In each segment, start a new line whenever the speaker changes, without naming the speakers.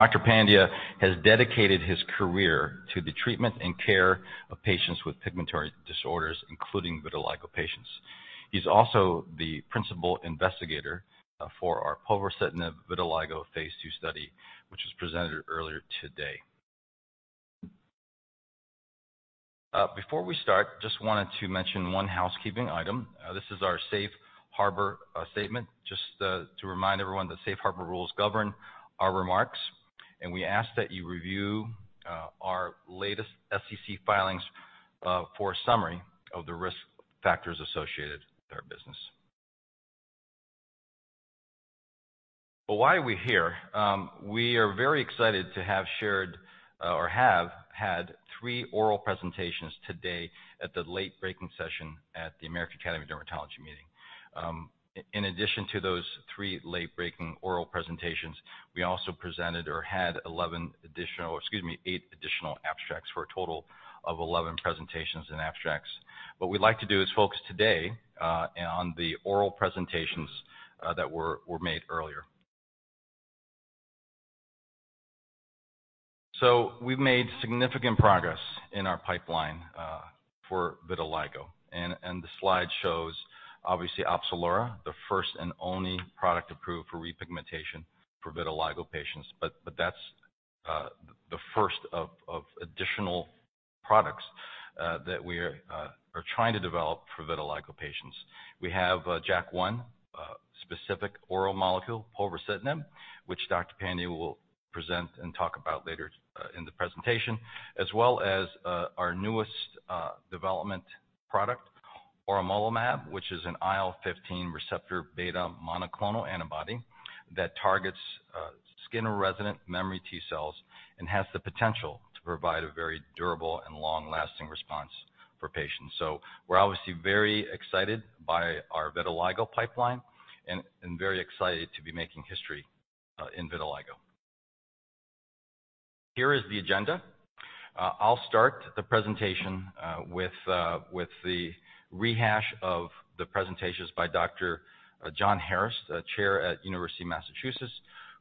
Dr. Pandya has dedicated his career to the treatment and care of patients with pigmentary disorders, including vitiligo patients. He's also the principal investigator for our povorcitinib vitiligo phase II study, which was presented earlier today. Before we start, just wanted to mention one housekeeping item. This is our safe harbor statement, just to remind everyone that safe harbor rules govern our remarks, and we ask that you review our latest SEC filings for a summary of the risk factors associated with our business. Why are we here? We are very excited to have shared or have had three oral presentations today at the late-breaking session at the American Academy of Dermatology meeting. In addition to those three late-breaking oral presentations, we also presented or had 11 additional... Excuse me, eight additional abstracts for a total of 11 presentations and abstracts. What we'd like to do is focus today on the oral presentations that were made earlier. We've made significant progress in our pipeline for vitiligo. The slide shows obviously Opzelura, the first and only product approved for repigmentation for vitiligo patients. That's the first of additional products that we're trying to develop for vitiligo patients. We have JAK1 specific oral molecule, povorcitinib, which Dr. Pandya will present and talk about later in the presentation, as well as our newest development product, auremolimab, which is an IL-15 receptor beta monoclonal antibody that targets skin-resident memory T-cells and has the potential to provide a very durable and long-lasting response for patients. We're obviously very excited by our vitiligo pipeline and very excited to be making history in vitiligo. Here is the agenda. I'll start the presentation with the rehash of the presentations by Dr. John Harris, a chair at University of Massachusetts,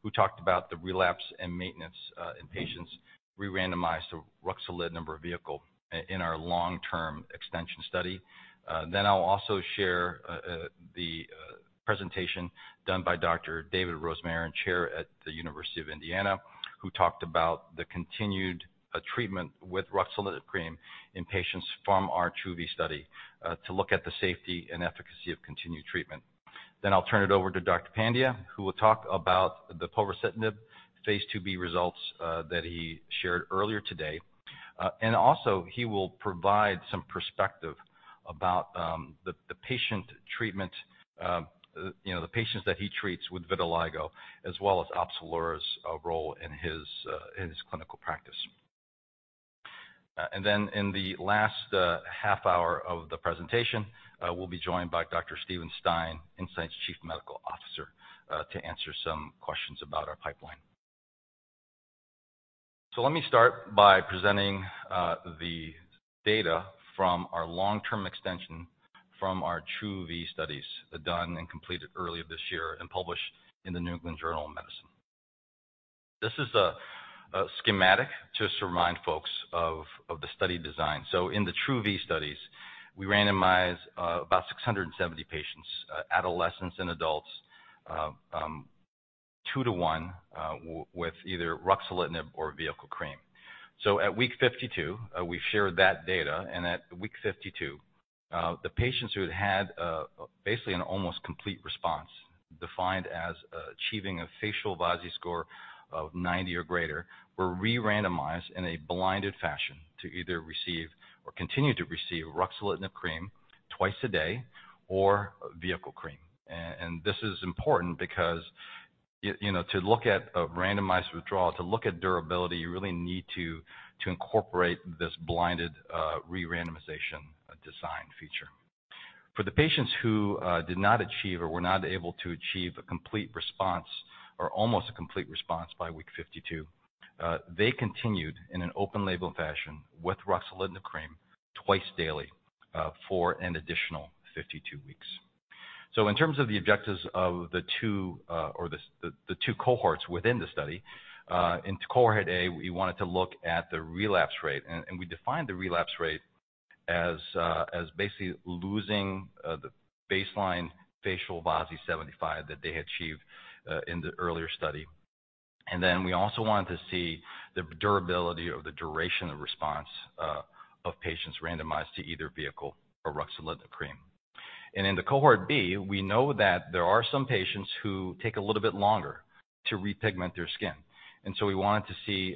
who talked about the relapse and maintenance in patients we randomized to ruxolitinib or vehicle in our long-term extension study. I'll also share the presentation done by Dr. David Rosmarin, chair at the University of Indiana, who talked about the continued treatment with ruxolitinib cream in patients from our TRuE-V study to look at the safety and efficacy of continued treatment. I'll turn it over to Dr. Pandya, who will talk about the povorcitinib phase II-B results that he shared earlier today. He will provide some perspective about the patient treatment, you know, the patients that he treats with vitiligo as well as Opzelura's role in his clinical practice. In the last half hour of the presentation, we'll be joined by Dr. Steven Stein, Incyte's Chief Medical Officer, to answer some questions about our pipeline. Let me start by presenting the data from our long-term extension from our TRuE-V studies done and completed earlier this year and published in The New England Journal of Medicine. This is a schematic just to remind folks of the study design. In the TRuE-V studies, we randomized about 670 patients, adolescents and adults, two-1 with either ruxolitinib or vehicle cream. At week 52, we shared that data, and at week 52, the patients who had had basically an almost complete response, defined as achieving a facial F-VASI score of 90 or greater, were re-randomized in a blinded fashion to either receive or continue to receive ruxolitinib cream twice a day or vehicle cream. This is important because you know, to look at a randomized withdrawal, to look at durability, you really need to incorporate this blinded re-randomization design feature. For the patients who did not achieve or were not able to achieve a complete response or almost a complete response by week 52, they continued in an open-label fashion with ruxolitinib cream twice daily for an additional 52 weeks. In terms of the objectives of the two cohorts within the study, in cohort A, we wanted to look at the relapse rate, and we defined the relapse rate as basically losing the baseline facial VASI75 that they had achieved in the earlier study. We also wanted to see the durability or the duration of response of patients randomized to either vehicle or ruxolitinib cream. In the cohort B, we know that there are some patients who take a little bit longer to repigment their skin. We wanted to see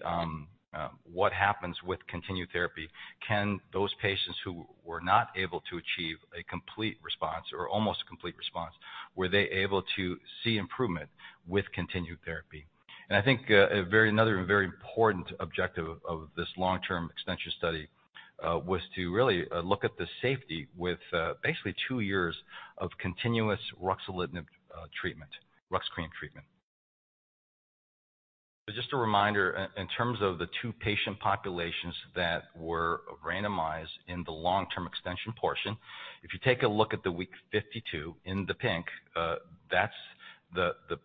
what happens with continued therapy. Can those patients who were not able to achieve a complete response or almost a complete response, were they able to see improvement with continued therapy? I think another very important objective of this long-term extension study was to really look at the safety with basically two years of continuous ruxolitinib treatment, RUXO cream treatment. Just a reminder in terms of the two patient populations that were randomized in the long-term extension portion, if you take a look at the week 52 in the pink, the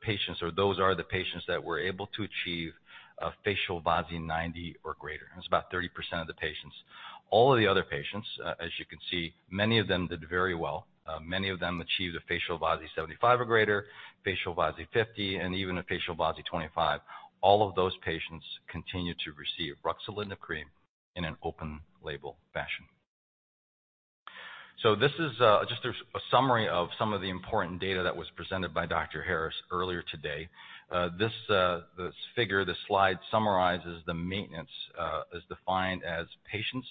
patients or those are the patients that were able to achieve a facial VASI 90 or greater. It's about 30% of the patients. All of the other patients, as you can see, many of them did very well. Many of them achieved a facial VASI 75 or greater, facial VASI 50, and even a facial VASI 25. All of those patients continued to receive ruxolitinib cream in an open label fashion. This is just a summary of some of the important data that was presented by Dr. Harris earlier today. This figure, this slide summarizes the maintenance as defined as patients.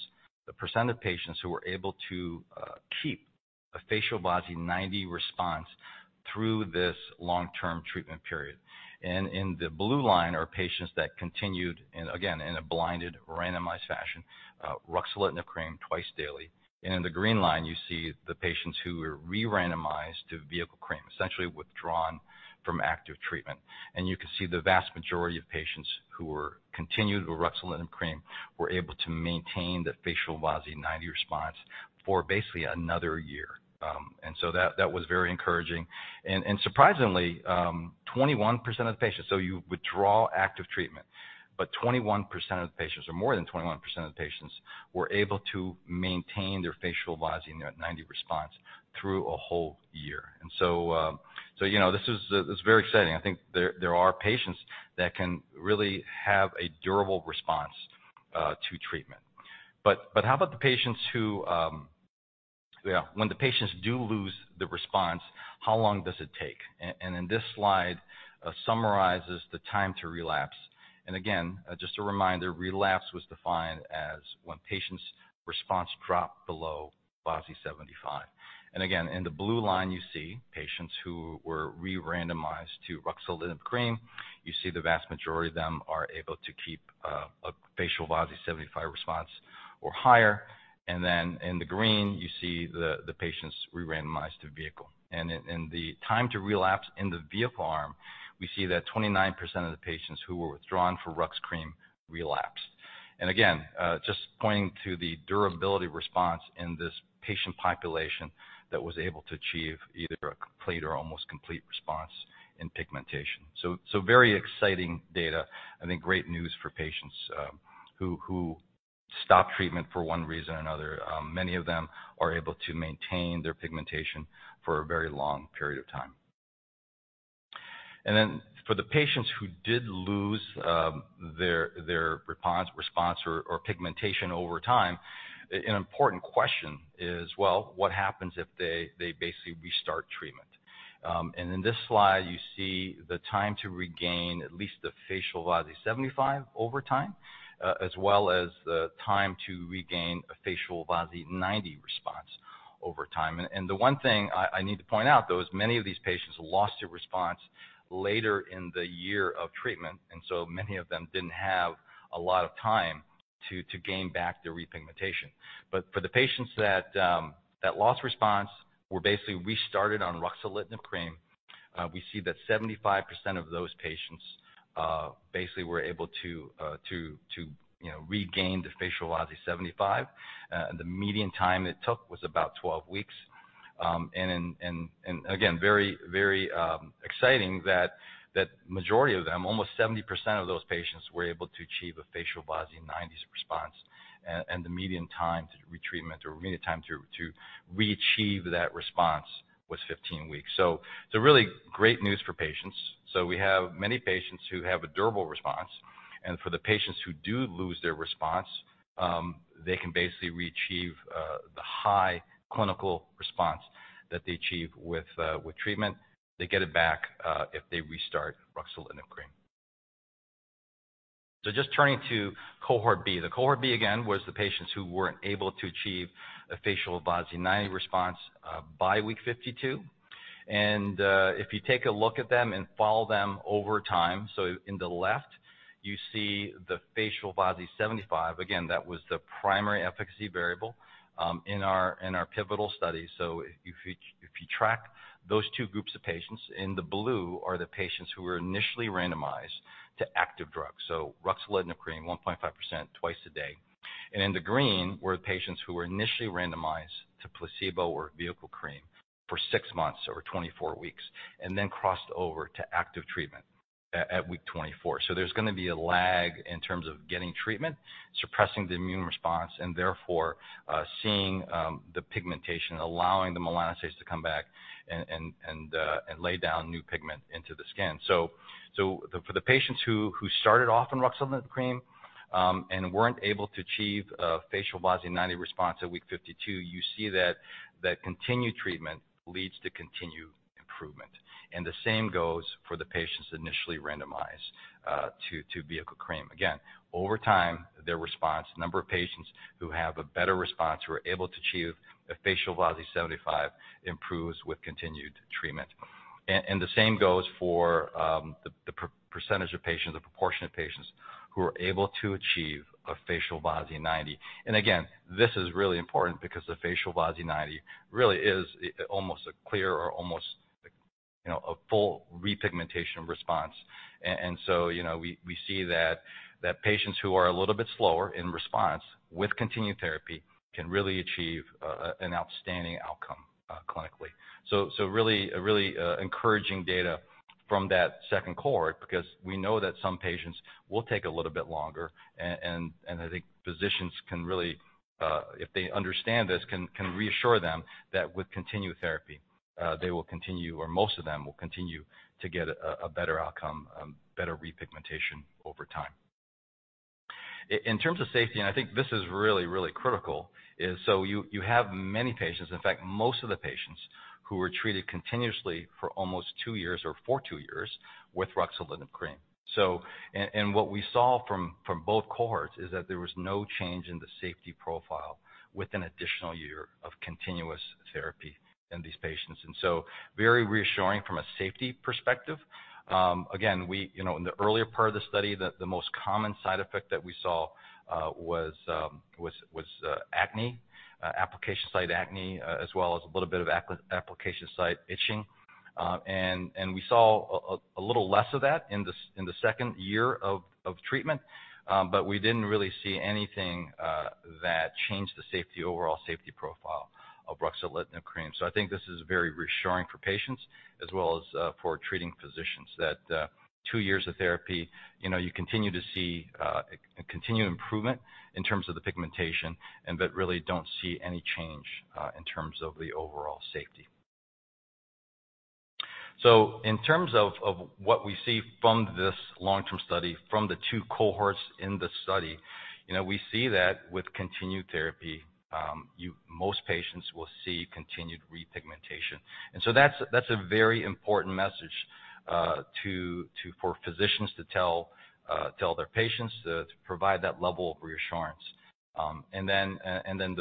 The percent of patients who were able to keep a facial VASI 90 response through this long-term treatment period. In the blue line are patients that continued, and again, in a blinded randomized fashion, ruxolitinib cream twice daily. In the green line, you see the patients who were re-randomized to vehicle cream, essentially withdrawn from active treatment. You can see the vast majority of patients who were continued with ruxolitinib cream were able to maintain the facial VASI 90 response for basically another year. That was very encouraging. Surprisingly, 21% of the patients, you withdraw active treatment. 21% of the patients, or more than 21% of the patients were able to maintain their facial VASI 90 response through a whole year. You know, this is very exciting. I think there are patients that can really have a durable response to treatment. When the patients do lose the response, how long does it take? In this slide summarizes the time to relapse. Again, just a reminder, relapse was defined as when patient's response dropped below VASI 75. In the blue line, you see patients who were re-randomized to ruxolitinib cream. You see the vast majority of them are able to keep a facial VASI 75 response or higher. In the green, you see the patients re-randomized to vehicle. In the time to relapse in the vehicle arm, we see that 29% of the patients who were withdrawn for RUXO cream relapsed. Again, just pointing to the durability response in this patient population that was able to achieve either a complete or almost complete response in pigmentation. Very exciting data. I think great news for patients who stop treatment for one reason or another. Many of them are able to maintain their pigmentation for a very long period of time. For the patients who did lose their respon-response or pigmentation over time, an important question is, well, what happens if they basically restart treatment? In this slide you see the time to regain at least the facial VASI 75 over time, as well as the time to regain a facial VASI 90 response over time. The one thing I need to point out, though, is many of these patients lost their response later in the year of treatment. Many of them didn't have a lot of time to gain back their repigmentation. For the patients that lost response were basically restarted on ruxolitinib cream, we see that 75% of those patients, basically were able to, you know, regain the facial VASI 75. The median time it took was about 12 weeks. Again, very, very exciting that majority of them, almost 70% of those patients were able to achieve a facial VASI 90 response. The median time to retreatment, or median time to reachieve that response was 15 weeks. It's really great news for patients. We have many patients who have a durable response. For the patients who do lose their response, they can basically reachieve the high clinical response that they achieve with treatment. They get it back if they restart ruxolitinib cream. Just turning to cohort B. The cohort B, again, was the patients who weren't able to achieve a facial VASI 90 response by week 52. If you take a look at them and follow them over time. In the left, you see the facial VASI 75. Again, that was the primary efficacy variable, in our pivotal study. If you track those two groups of patients, in the blue are the patients who were initially randomized to active drugs. Ruxolitinib cream 1.5% twice a day. In the green were the patients who were initially randomized to placebo or vehicle cream for six months, or 24 weeks, and then crossed over to active treatment at week 24. There's gonna be a lag in terms of getting treatment, suppressing the immune response, and therefore, seeing the pigmentation, allowing the melanocytes to come back and lay down new pigment into the skin. For the patients who started off on ruxolitinib cream and weren't able to achieve a facial VASI 90 response at week 52, you see that continued treatment leads to continued improvement. The same goes for the patients initially randomized to vehicle cream. Again, over time, their response, the number of patients who have a better response, who are able to achieve a facial VASI 75 improves with continued treatment. The same goes for the percentage of patients, the proportion of patients who are able to achieve a facial VASI 90. Again, this is really important because the facial VASI 90 really is almost a clear or You know, a full repigmentation response. You know, we see that patients who are a little bit slower in response with continued therapy can really achieve an outstanding outcome clinically. Really encouraging data from that second cohort because we know that some patients will take a little bit longer. I think physicians can really, if they understand this, can reassure them that with continued therapy, they will continue, or most of them will continue to get a better outcome, better repigmentation over time. In terms of safety, I think this is really critical, is so you have many patients, in fact, most of the patients who were treated continuously for almost two years or for two years with ruxolitinib cream. What we saw from both cohorts is that there was no change in the safety profile with an additional year of continuous therapy in these patients. Very reassuring from a safety perspective. Again, you know, in the earlier part of the study, the most common side effect that we saw was acne, application site acne, as well as a little bit of application site itching. And we saw a little less of that in the second year of treatment. We didn't really see anything that changed the safety, overall safety profile of ruxolitinib cream. I think this is very reassuring for patients as well as for treating physicians that two years of therapy, you know, you continue to see a continued improvement in terms of the pigmentation and but really don't see any change in terms of the overall safety. In terms of what we see from this long-term study from the two cohorts in the study, you know, we see that with continued therapy, most patients will see continued repigmentation. That's a very important message for physicians to tell their patients to provide that level of reassurance. Then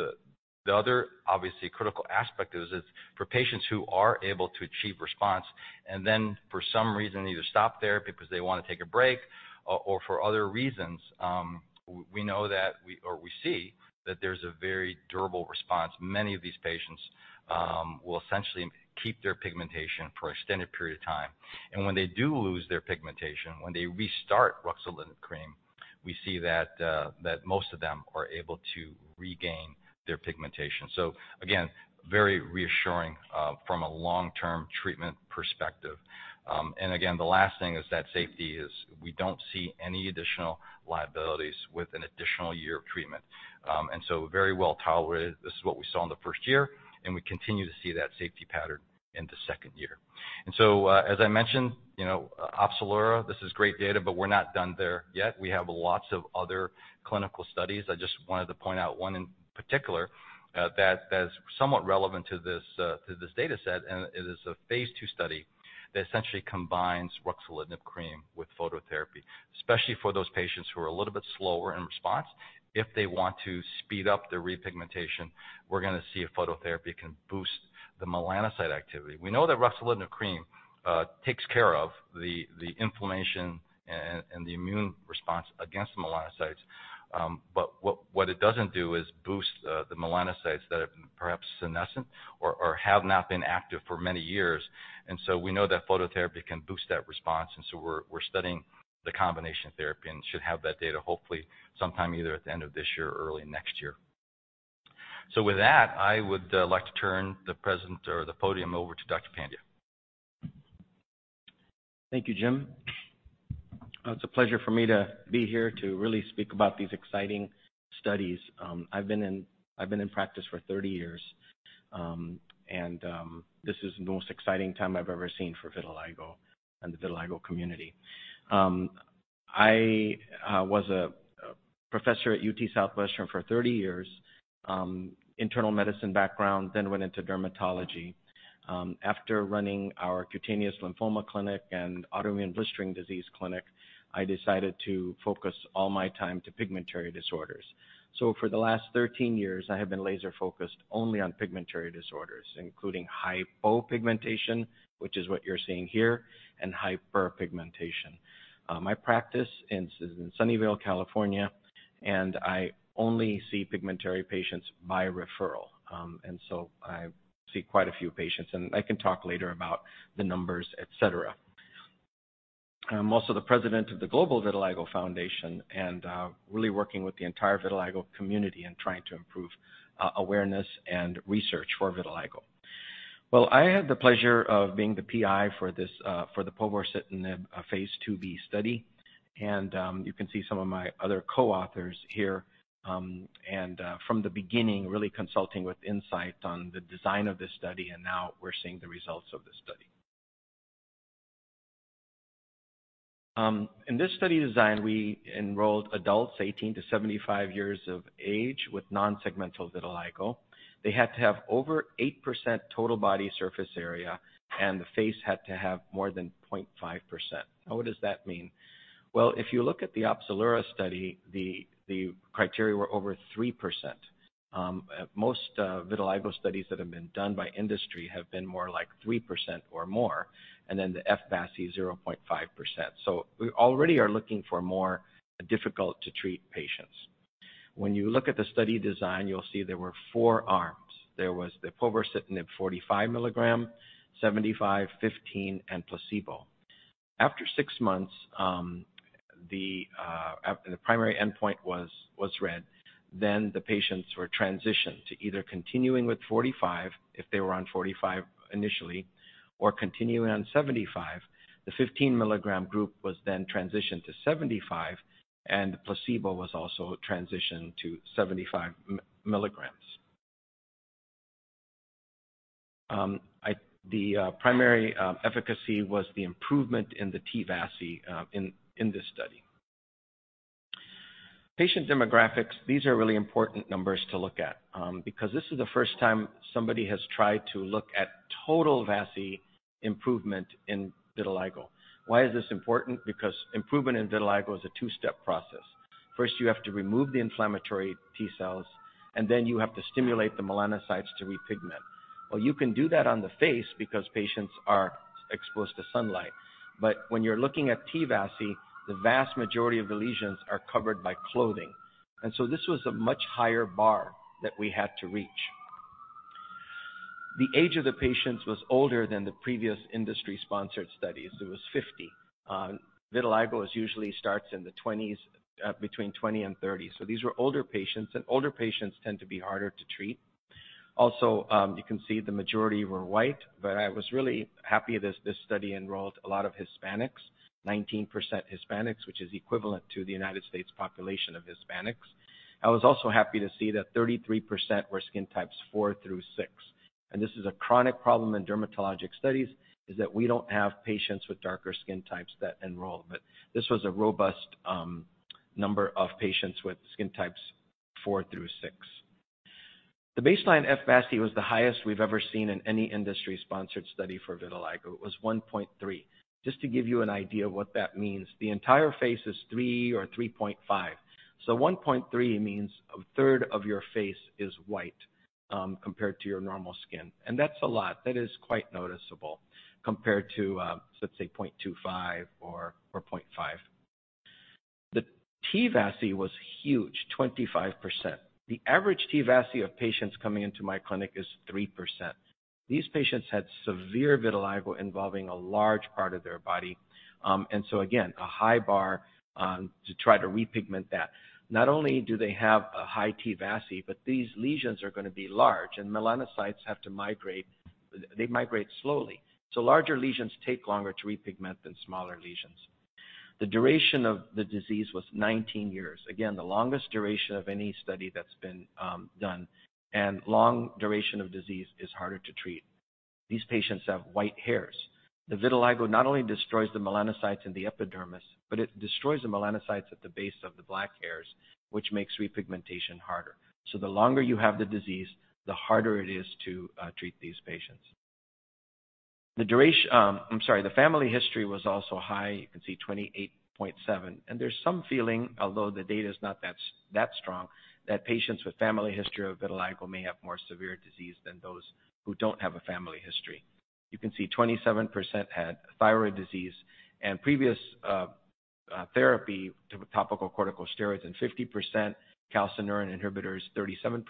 the other obviously critical aspect is for patients who are able to achieve response and then for some reason either stop there because they want to take a break or for other reasons, we know that we see that there's a very durable response. Many of these patients will essentially keep their pigmentation for extended period of time. When they do lose their pigmentation, when they restart ruxolitinib cream, we see that most of them are able to regain their pigmentation. Again, very reassuring from a long-term treatment perspective. Again, the last thing is that safety is we don't see any additional liabilities with an additional year of treatment. Very well tolerated. This is what we saw in the 1st year, and we continue to see that safety pattern in the 2nd year. As I mentioned, you know, Opzelura, this is great data, but we're not done there yet. We have lots of other clinical studies. I just wanted to point out one in particular, that's somewhat relevant to this, to this data set, and it is a phase II study that essentially combines ruxolitinib cream with phototherapy, especially for those patients who are a little bit slower in response. If they want to speed up their repigmentation, we're going to see if phototherapy can boost the melanocyte activity. We know that ruxolitinib cream takes care of the inflammation and the immune response against the melanocytes. What it doesn't do is boost the melanocytes that have been perhaps senescent or have not been active for many years. We know that phototherapy can boost that response, and so we're studying the combination therapy and should have that data hopefully sometime either at the end of this year or early next year. With that, I would like to turn the present or the podium over to Dr. Pandya.
Thank you, Jim. It's a pleasure for me to be here to really speak about these exciting studies. I've been in practice for 30 years. This is the most exciting time I've ever seen for vitiligo and the vitiligo community. I was a professor at UT Southwestern for 30 years. Internal medicine background, then went into dermatology. After running our cutaneous lymphoma clinic and autoimmune blistering disease clinic, I decided to focus all my time to pigmentary disorders. For the last 13 years, I have been laser-focused only on pigmentary disorders, including hypopigmentation, which is what you're seeing here, and hyperpigmentation. My practice is in Sunnyvale, California, and I only see pigmentary patients by referral. I see quite a few patients, and I can talk later about the numbers, et cetera. I'm also the president of the Global Vitiligo Foundation and really working with the entire vitiligo community and trying to improve awareness and research for vitiligo. I had the pleasure of being the PI for this for the povorcitinib phase II-B study. You can see some of my other co-authors here, and from the beginning, really consulting with Incyte on the design of this study, and now we're seeing the results of the study. In this study design, we enrolled adults 18-75 years of age with non-segmental vitiligo. They had to have over 8% total body surface area, and the face had to have more than 0.5%. What does that mean? If you look at the Opzelura study, the criteria were over 3%. Most vitiligo studies that have been done by industry have been more like 3% or more, and then the F-VASI 0.5%. We already are looking for more difficult-to-treat patients. When you look at the study design, you'll see there were four arms. There was the povorcitinib 45 mg, 75, 15, and placebo. After six months, the primary endpoint was read, then the patients were transitioned to either continuing with 45, if they were on 45 initially, or continuing on 75. The 15-mg group was then transitioned to 75, and the placebo was also transitioned to 75 mg. The primary efficacy was the improvement in the T-VASI in this study. Patient demographics, these are really important numbers to look at, because this is the first time somebody has tried to look at total VASI improvement in vitiligo. Why is this important? Because improvement in vitiligo is a two-step process. First, you have to remove the inflammatory T-cells, and then you have to stimulate the melanocytes to repigment. Well, you can do that on the face because patients are exposed to sunlight. When you're looking at T-VASI, the vast majority of the lesions are covered by clothing. This was a much higher bar that we had to reach. The age of the patients was older than the previous industry-sponsored studies. It was 50. Vitiligo usually starts in the 20s, between 20 and 30. These were older patients, and older patients tend to be harder to treat. You can see the majority were white. I was really happy this study enrolled a lot of Hispanics, 19% Hispanics, which is equivalent to the U.S. population of Hispanics. I was also happy to see that 33% were skin types four-six. This is a chronic problem in dermatologic studies, is that we don't have patients with darker skin types that enroll. This was a robust number of patients with skin types four-six. The baseline F-VASI was the highest we've ever seen in any industry-sponsored study for vitiligo. It was 1.3. Just to give you an idea of what that means, the entire face is three or 3.5. 1.3 means a third of your face is white compared to your normal skin. That's a lot. That is quite noticeable compared to, let's say 0.25 or 0.5. The T-VASI was huge, 25%. The average T-VASI of patients coming into my clinic is 3%. These patients had severe vitiligo involving a large part of their body. Again, a high bar to try to repigment that. Not only do they have a high T-VASI, but these lesions are going to be large, and melanocytes have to migrate. They migrate slowly. Larger lesions take longer to repigment than smaller lesions. The duration of the disease was 19 years. Again, the longest duration of any study that's been done, long duration of disease is harder to treat. These patients have white hairs. The vitiligo not only destroys the melanocytes in the epidermis, but it destroys the melanocytes at the base of the black hairs, which makes repigmentation harder. The longer you have the disease, the harder it is to treat these patients. I'm sorry. The family history was also high. You can see 28.7. There's some feeling, although the data is not that strong, that patients with family history of vitiligo may have more severe disease than those who don't have a family history. You can see 27% had thyroid disease and previous therapy, topical corticosteroids and 50%, calcineurin inhibitors, 37%,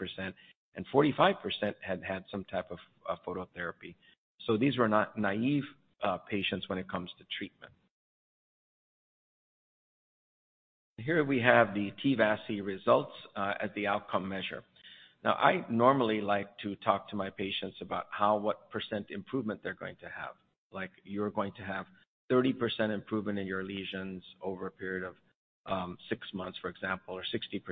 and 45% had had some type of phototherapy. These were not naive patients when it comes to treatment. Here we have the T-VASI results as the outcome measure. Now, I normally like to talk to my patients about how, what % improvement they're going to have. Like, you're going to have 30% improvement in your lesions over a period of, six months, for example, or 60%.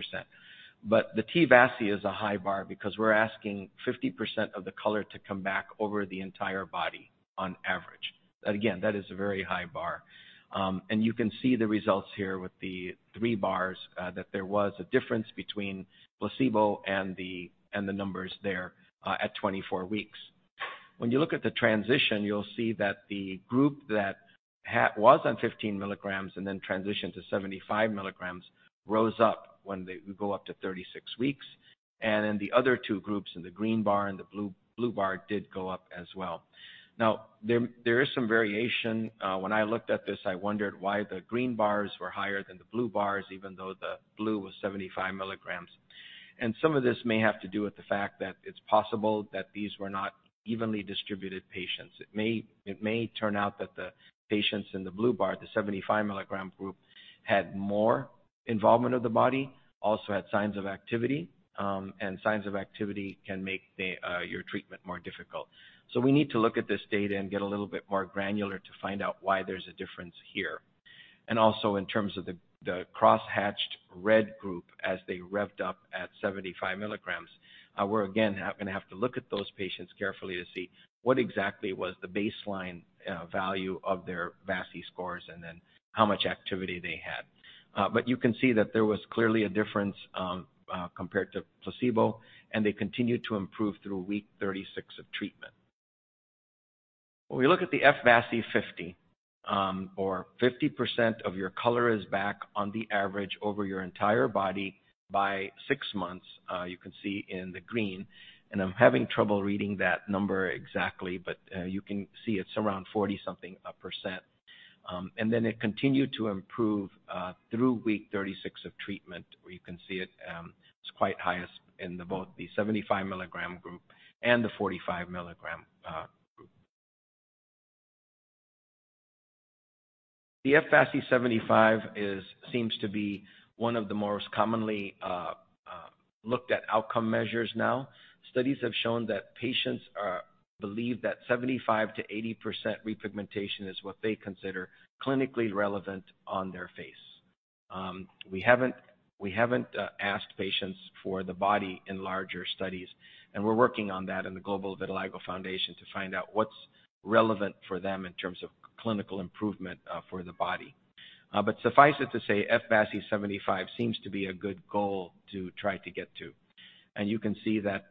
The T-VASI is a high bar because we're asking 50% of the color to come back over the entire body on average. Again, that is a very high bar. And you can see the results here with the three bars, that there was a difference between placebo and the, and the numbers there, at 24 weeks. When you look at the transition, you'll see that the group that was on 15 mg and then transitioned to 75 mg rose up when they go up to 36 weeks. The other two groups in the green bar and the blue bar did go up as well. There is some variation. When I looked at this, I wondered why the green bars were higher than the blue bars, even though the blue was 75 mg. Some of this may have to do with the fact that it's possible that these were not evenly distributed patients. It may turn out that the patients in the blue bar, the 75 mg group, had more involvement of the body, also had signs of activity, and signs of activity can make your treatment more difficult. We need to look at this data and get a little bit more granular to find out why there's a difference here. Also, in terms of the cross-hatched red group as they revved up at 75 mg, we're again going to have to look at those patients carefully to see what exactly was the baseline value of their VASI scores and then how much activity they had. You can see that there was clearly a difference compared to placebo, and they continued to improve through week 36 of treatment. When we look at the F-VASI50, or 50% of your color is back on the average over your entire body by six months, you can see in the green, and I'm having trouble reading that number exactly, but you can see it's around 40 something %. It continued to improve through week 36 of treatment, where you can see it's quite highest in both the 75 mg group and the 45 mg group. The F-VASI75 seems to be one of the most commonly looked at outcome measures now. Studies have shown that patients believe that 75%-80% repigmentation is what they consider clinically relevant on their face. We haven't asked patients for the body in larger studies, and we're working on that in the Global Vitiligo Foundation to find out what's relevant for them in terms of clinical improvement for the body. But suffice it to say, F-VASI75 seems to be a good goal to try to get to. And you can see that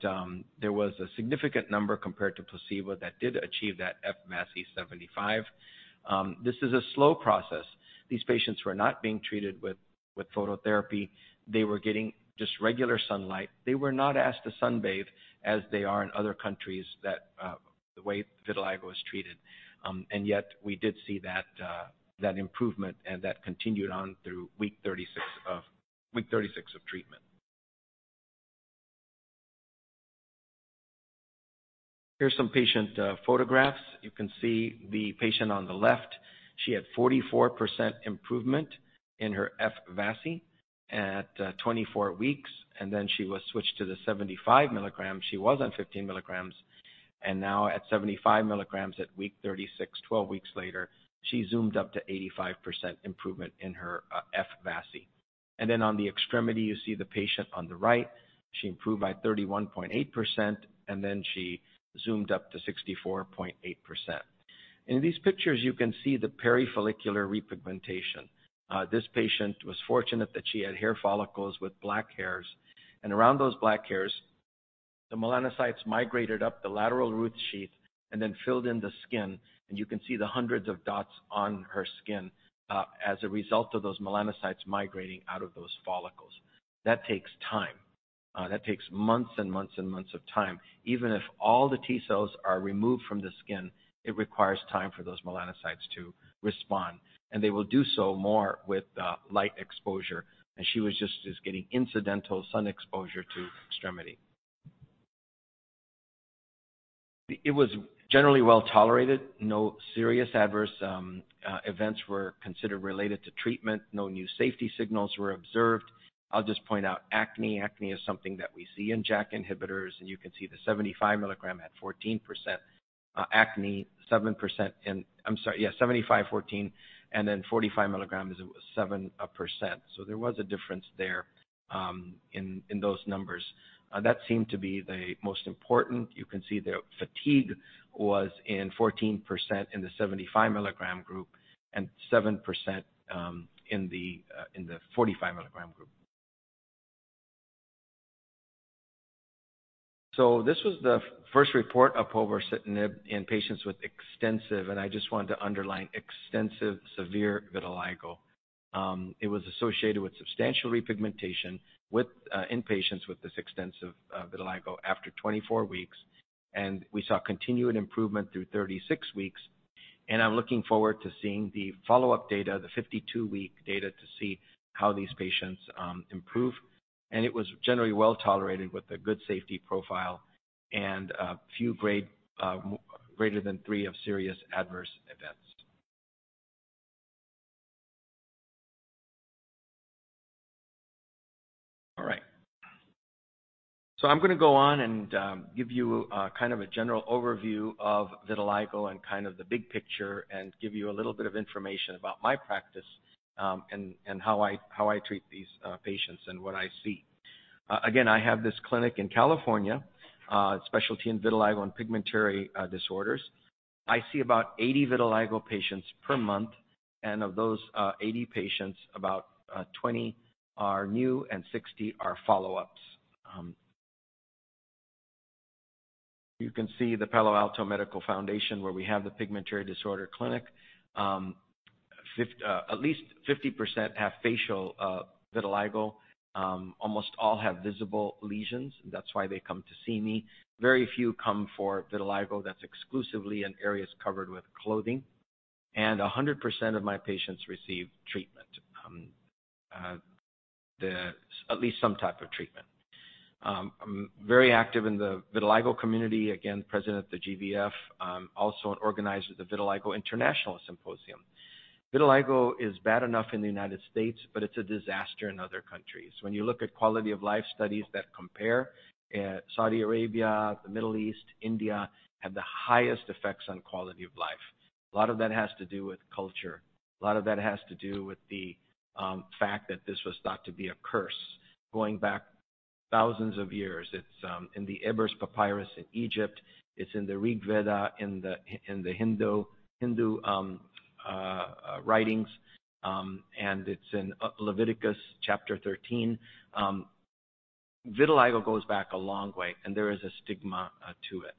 there was a significant number compared to placebo that did achieve that F-VASI75. This is a slow process. These patients were not being treated with phototherapy. They were getting just regular sunlight. They were not asked to sunbathe as they are in other countries that the way vitiligo is treated. And yet, we did see that improvement and that continued on through week 36 of treatment. Here's some patient photographs. You can see the patient on the left. She had 44% improvement in her F-VASI at 24 weeks, and then she was switched to the 75 mg. She was on 15 mg. Now at 75 mg at week 36, 12 weeks later, she zoomed up to 85% improvement in her F-VASI. Then on the extremity, you see the patient on the right. She improved by 31.8%, and then she zoomed up to 64.8%. In these pictures, you can see the perifollicular repigmentation. This patient was fortunate that she had hair follicles with black hairs. Around those black hairs, the melanocytes migrated up the lateral root sheath and then filled in the skin. You can see the hundreds of dots on her skin as a result of those melanocytes migrating out of those follicles. That takes time. That takes months and months and months of time. Even if all the T-cells are removed from the skin, it requires time for those melanocytes to respond, and they will do so more with light exposure. She was just getting incidental sun exposure to extremity. It was generally well-tolerated. No serious adverse events were considered related to treatment. No new safety signals were observed. I'll just point out acne. Acne is something that we see in JAK inhibitors, and you can see the 75 mg had 14% acne, 7% I'm sorry. Yeah, 75, 14, and then 45 mg, it was 7%. There was a difference there in those numbers. That seemed to be the most important. You can see the fatigue was in 14% in the 75 mg group and 7% in the 45 mg group. This was the first report of povorcitinib in patients with extensive, and I just wanted to underline extensive, severe vitiligo. It was associated with substantial repigmentation with in patients with this extensive vitiligo after 24 weeks. We saw continued improvement through 36 weeks. I'm looking forward to seeing the follow-up data, the 52-week data to see how these patients improve. It was generally well-tolerated with a good safety profile and a few grade greater than three of serious adverse events. I'm gonna go on and give you kind of a general overview of vitiligo and kind of the big picture and give you a little bit of information about my practice and how I treat these patients and what I see. Again, I have this clinic in California, specialty in vitiligo and pigmentary disorders. I see about 80 vitiligo patients per month, and of those, 80 patients, about 20 are new and 60 are follow-ups. You can see the Palo Alto Medical Foundation, where we have the pigmentary disorder clinic. At least 50% have facial vitiligo. Almost all have visible lesions. That's why they come to see me. Very few come for vitiligo that's exclusively in areas covered with clothing. A 100% of my patients receive treatment, at least some type of treatment. I'm very active in the vitiligo community, again, president of the GVF, also an organizer of the Vitiligo International Symposium. Vitiligo is bad enough in the United States, but it's a disaster in other countries. When you look at quality-of-life studies that compare, Saudi Arabia, the Middle East, India have the highest effects on quality of life. A lot of that has to do with culture. A lot of that has to do with the fact that this was thought to be a curse going back thousands of years. It's in the Ebers Papyrus in Egypt. It's in the Rig Veda in the Hindu writings. And it's in Leviticus chapter 13. Vitiligo goes back a long way, and there is a stigma to it.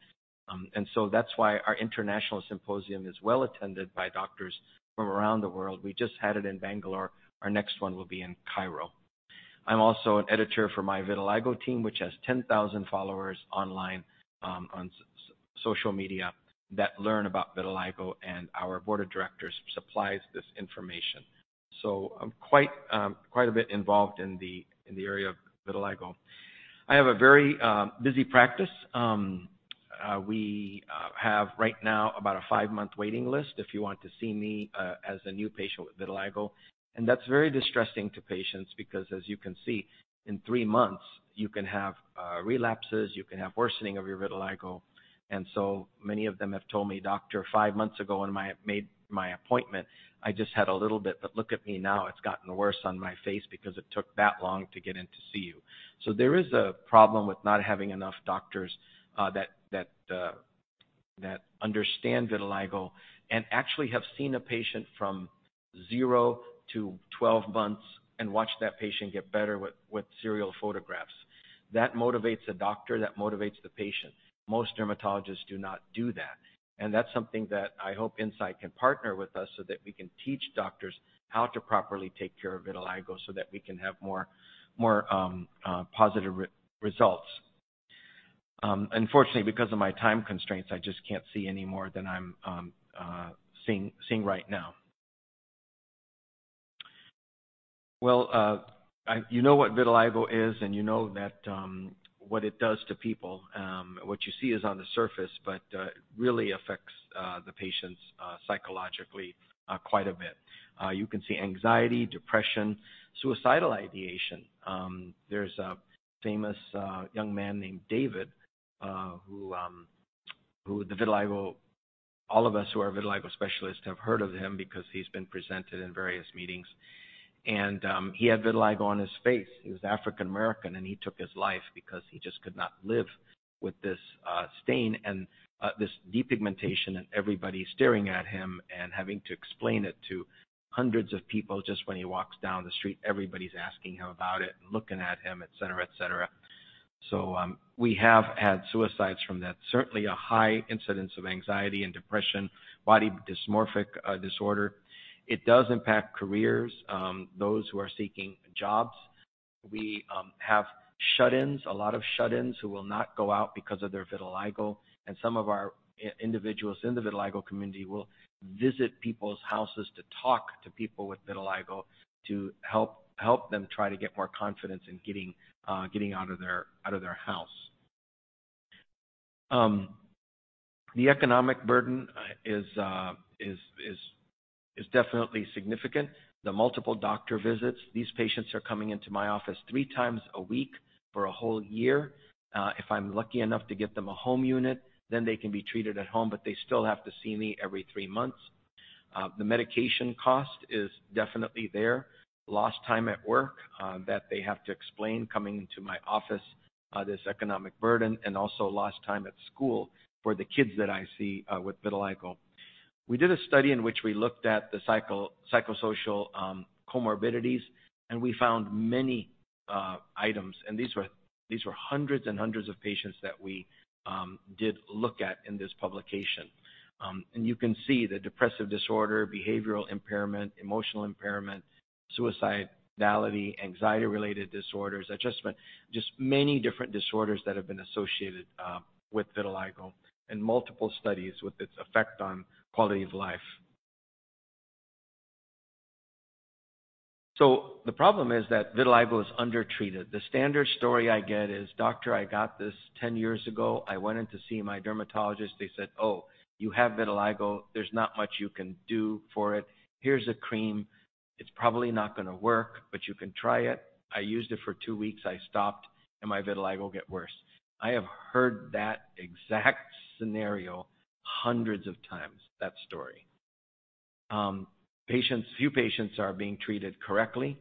That's why our international symposium is well-attended by doctors from around the world. We just had it in Bangalore. Our next one will be in Cairo. I'm also an editor for my vitiligo team, which has 10,000 followers online on social media that learn about vitiligo, and our board of directors supplies this information. I'm quite a bit involved in the area of vitiligo. I have a very busy practice. We have right now about a five-month waiting list if you want to see me as a new patient with vitiligo. That's very distressing to patients because as you can see, in three months you can have relapses, you can have worsening of your vitiligo. Many of them have told me, "Doctor, five months ago when I made my appointment, I just had a little bit, but look at me now, it's gotten worse on my face because it took that long to get in to see you." There is a problem with not having enough doctors that understand vitiligo and actually have seen a patient from zero-12 months and watch that patient get better with serial photographs. That motivates a doctor, that motivates the patient. Most dermatologists do not do that. That's something that I hope Incyte can partner with us so that we can teach doctors how to properly take care of vitiligo so that we can have more, more positive re-results. Unfortunately, because of my time constraints, I just can't see any more than I'm seeing right now. You know what vitiligo is, and you know that what it does to people. What you see is on the surface, but it really affects the patients psychologically quite a bit. You can see anxiety, depression, suicidal ideation. There's a famous young man named David who all of us who are vitiligo specialists have heard of him because he's been presented in various meetings. He had vitiligo on his face. He was African American, and he took his life because he just could not live with this stain and this depigmentation and everybody staring at him and having to explain it to hundreds of people. Just when he walks down the street, everybody's asking him about it and looking at him, et cetera, et cetera. We have had suicides from that. Certainly a high incidence of anxiety and depression, body dysmorphic disorder. It does impact careers, those who are seeking jobs. We have shut-ins, a lot of shut-ins who will not go out because of their vitiligo. Some of our individuals in the vitiligo community will visit people's houses to talk to people with vitiligo to help them try to get more confidence in getting out of their, out of their house. The economic burden is definitely significant. The multiple doctor visits, these patients are coming into my office three times a week for a whole year. If I'm lucky enough to get them a home unit, they can be treated at home. They still have to see me every three months. The medication cost is definitely there. Lost time at work that they have to explain coming into my office, this economic burden. Also lost time at school for the kids that I see with vitiligo. We did a study in which we looked at the psychosocial comorbidities. We found many items, and these were hundreds and hundreds of patients that we did look at in this publication. You can see the depressive disorder, behavioral impairment, emotional impairment, suicidality, anxiety-related disorders, adjustment, just many different disorders that have been associated with vitiligo and multiple studies with its effect on quality of life. The problem is that vitiligo is undertreated. The standard story I get is, "Doctor, I got this 10 years ago. I went in to see my dermatologist. They said, 'Oh, you have vitiligo. There's not much you can do for it. Here's a cream. It's probably not gonna work, but you can try it.' I used it for two weeks, I stopped, and my vitiligo get worse." I have heard that exact scenario hundreds of times, that story. Few patients are being treated correctly.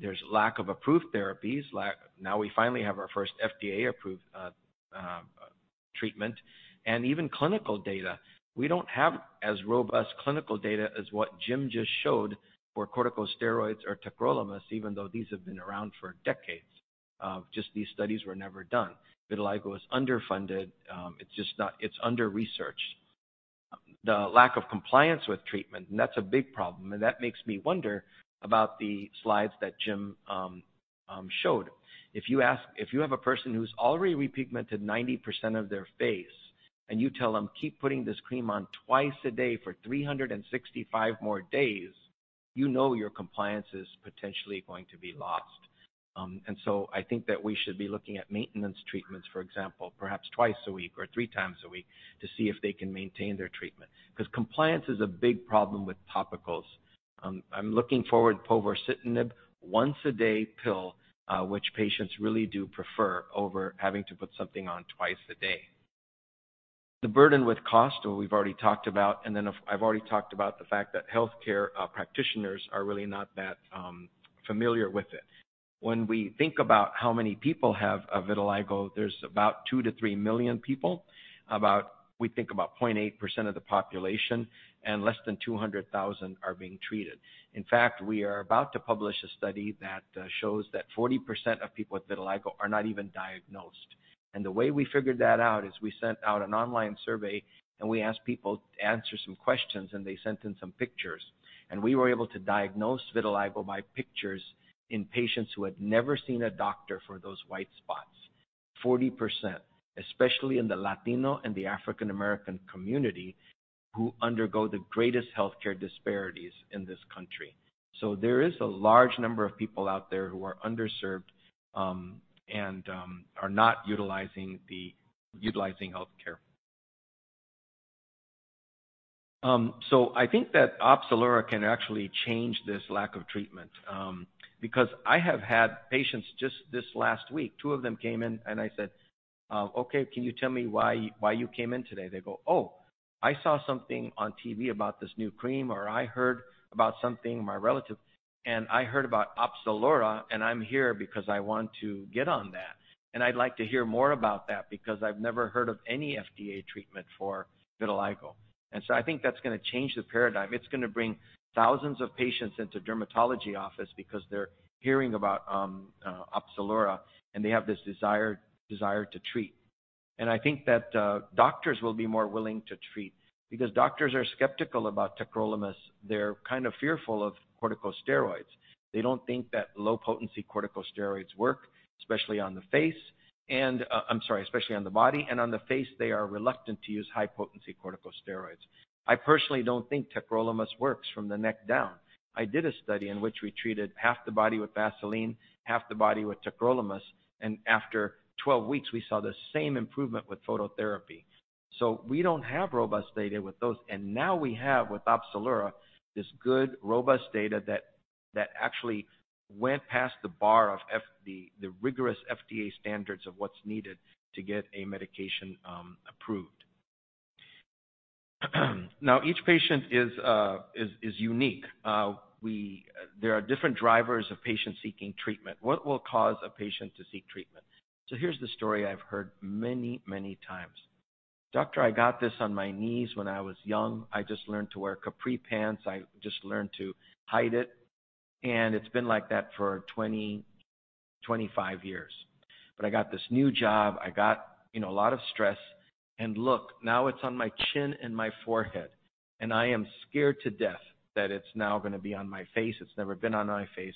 There's lack of approved therapies. Now we finally have our first FDA-approved treatment. Even clinical data, we don't have as robust clinical data as what Jim just showed for corticosteroids or tacrolimus, even though these have been around for decades. Just these studies were never done. Vitiligo is underfunded. It's under-researched. The lack of compliance with treatment, and that's a big problem, and that makes me wonder about the slides that Jim showed. If you have a person who's already repigmented 90% of their face and you tell them, "Keep putting this cream on twice a day for 365 more days," you know your compliance is potentially going to be lost. I think that we should be looking at maintenance treatments, for example, perhaps twice a week or three times a week to see if they can maintain their treatment 'cause compliance is a big problem with topicals. I'm looking forward to povorcitinib once-a-day pill, which patients really do prefer over having to put something on twice a day. The burden with cost, we've already talked about, I've already talked about the fact that healthcare practitioners are really not that familiar with it. When we think about how many people have vitiligo, there's about two million-three million people. We think about 0.8% of the population, less than 200,000 are being treated. In fact, we are about to publish a study that shows that 40% of people with vitiligo are not even diagnosed. The way we figured that out is we sent out an online survey, and we asked people to answer some questions, and they sent in some pictures. We were able to diagnose vitiligo by pictures in patients who had never seen a doctor for those white spots. 40%, especially in the Latino and the African American community, who undergo the greatest healthcare disparities in this country. There is a large number of people out there who are underserved and are not utilizing healthcare. I think that Opzelura can actually change this lack of treatment because I have had patients just this last week, two of them came in, and I said, "Okay, can you tell me why you came in today?" They go, "Oh, I saw something on TV about this new cream," or, "I heard about something, my relative. I heard about Opzelura, and I'm here because I want to get on that. I'd like to hear more about that because I've never heard of any FDA treatment for vitiligo." I think that's going to change the paradigm. It's going to bring thousands of patients into dermatology office because they're hearing about Opzelura, and they have this desire to treat. I think that doctors will be more willing to treat because doctors are skeptical about tacrolimus. They're kind of fearful of corticosteroids. They don't think that low-potency corticosteroids work, especially on the face, especially on the body. On the face, they are reluctant to use high-potency corticosteroids. I personally don't think tacrolimus works from the neck down. I did a study in which we treated half the body with Vaseline, half the body with tacrolimus, and after 12 weeks, we saw the same improvement with phototherapy. We don't have robust data with those. Now we have with Opzelura this good, robust data that actually went past the bar of the rigorous FDA standards of what's needed to get a medication approved. Now, each patient is unique. There are different drivers of patients seeking treatment. What will cause a patient to seek treatment? Here's the story I've heard many, many times. "Doctor, I got this on my knees when I was young. I just learned to wear capri pants. I just learned to hide it. And it's been like that for 20, 25 years. But I got this new job. I got, you know, a lot of stress. And look, now it's on my chin and my forehead. And I am scared to death that it's now gonna be on my face. It's never been on my face.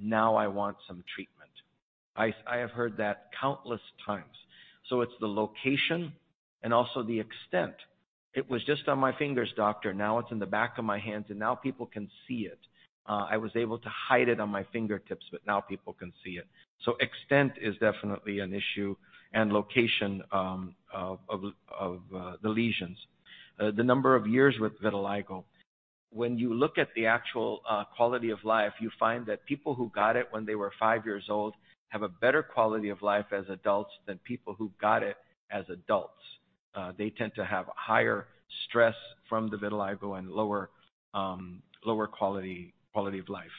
I want some treatment." I have heard that countless times. It's the location and also the extent. "It was just on my fingers, doctor. Now it's in the back of my hands, and now people can see it. I was able to hide it on my fingertips, but now people can see it." Extent is definitely an issue and location of the lesions. The number of years with vitiligo. When you look at the actual quality of life, you find that people who got it when they were five years old have a better quality of life as adults than people who got it as adults. They tend to have higher stress from the vitiligo and lower quality of life.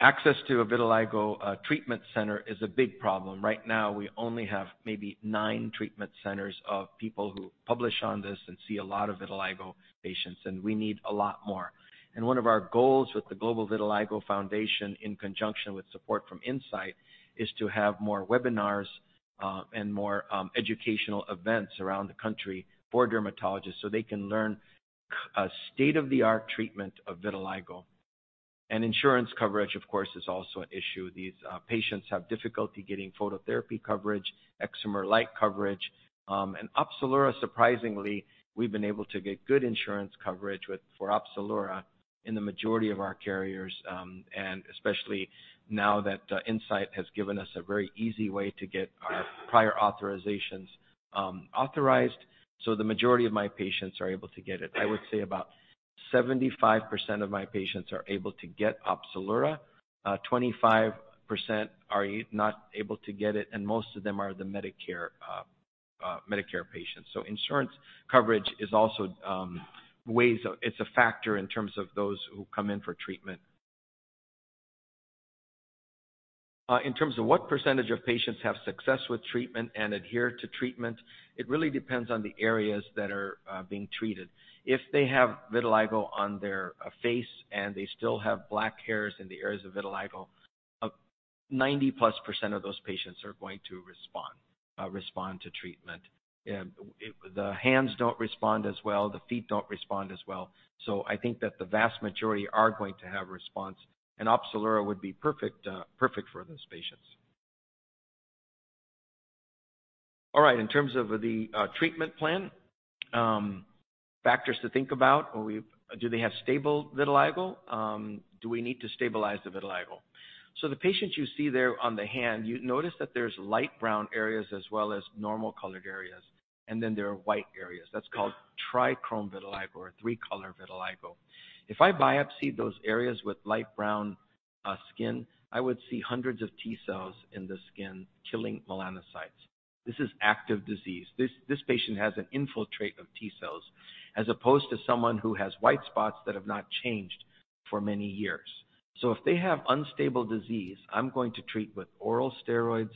Access to a vitiligo treatment center is a big problem. Right now, we only have maybe nine treatment centers of people who publish on this and see a lot of vitiligo patients, and we need a lot more. One of our goals with the Global Vitiligo Foundation, in conjunction with support from Incyte, is to have more webinars and more educational events around the country for dermatologists, so they can learn a state-of-the-art treatment of vitiligo. Insurance coverage, of course, is also an issue. These patients have difficulty getting phototherapy coverage, excimer light coverage. Opzelura, surprisingly, we've been able to get good insurance coverage for Opzelura in the majority of our carriers, and especially now that Incyte has given us a very easy way to get our prior authorizations authorized. The majority of my patients are able to get it. I would say about 75% of my patients are able to get Opzelura. 25% are not able to get it, and most of them are the Medicare patients. Insurance coverage is also ways of it's a factor in terms of those who come in for treatment. In terms of what percentage of patients have success with treatment and adhere to treatment, it really depends on the areas that are being treated. If they have vitiligo on their face and they still have black hairs in the areas of vitiligo, 90+% of those patients are going to respond to treatment. The hands don't respond as well. The feet don't respond as well. I think that the vast majority are going to have response, and Opzelura would be perfect for those patients. All right. In terms of the treatment plan, factors to think about, well, do they have stable vitiligo? Do we need to stabilize the vitiligo? The patients you see there on the hand, you notice that there's light brown areas as well as normal-colored areas, and then there are white areas. That's called trichrome vitiligo or three-color vitiligo. If I biopsy those areas with light brown skin, I would see hundreds of T cells in the skin killing melanocytes. This is active disease. This patient has an infiltrate of T cells as opposed to someone who has white spots that have not changed for many years. If they have unstable disease, I'm going to treat with oral steroids.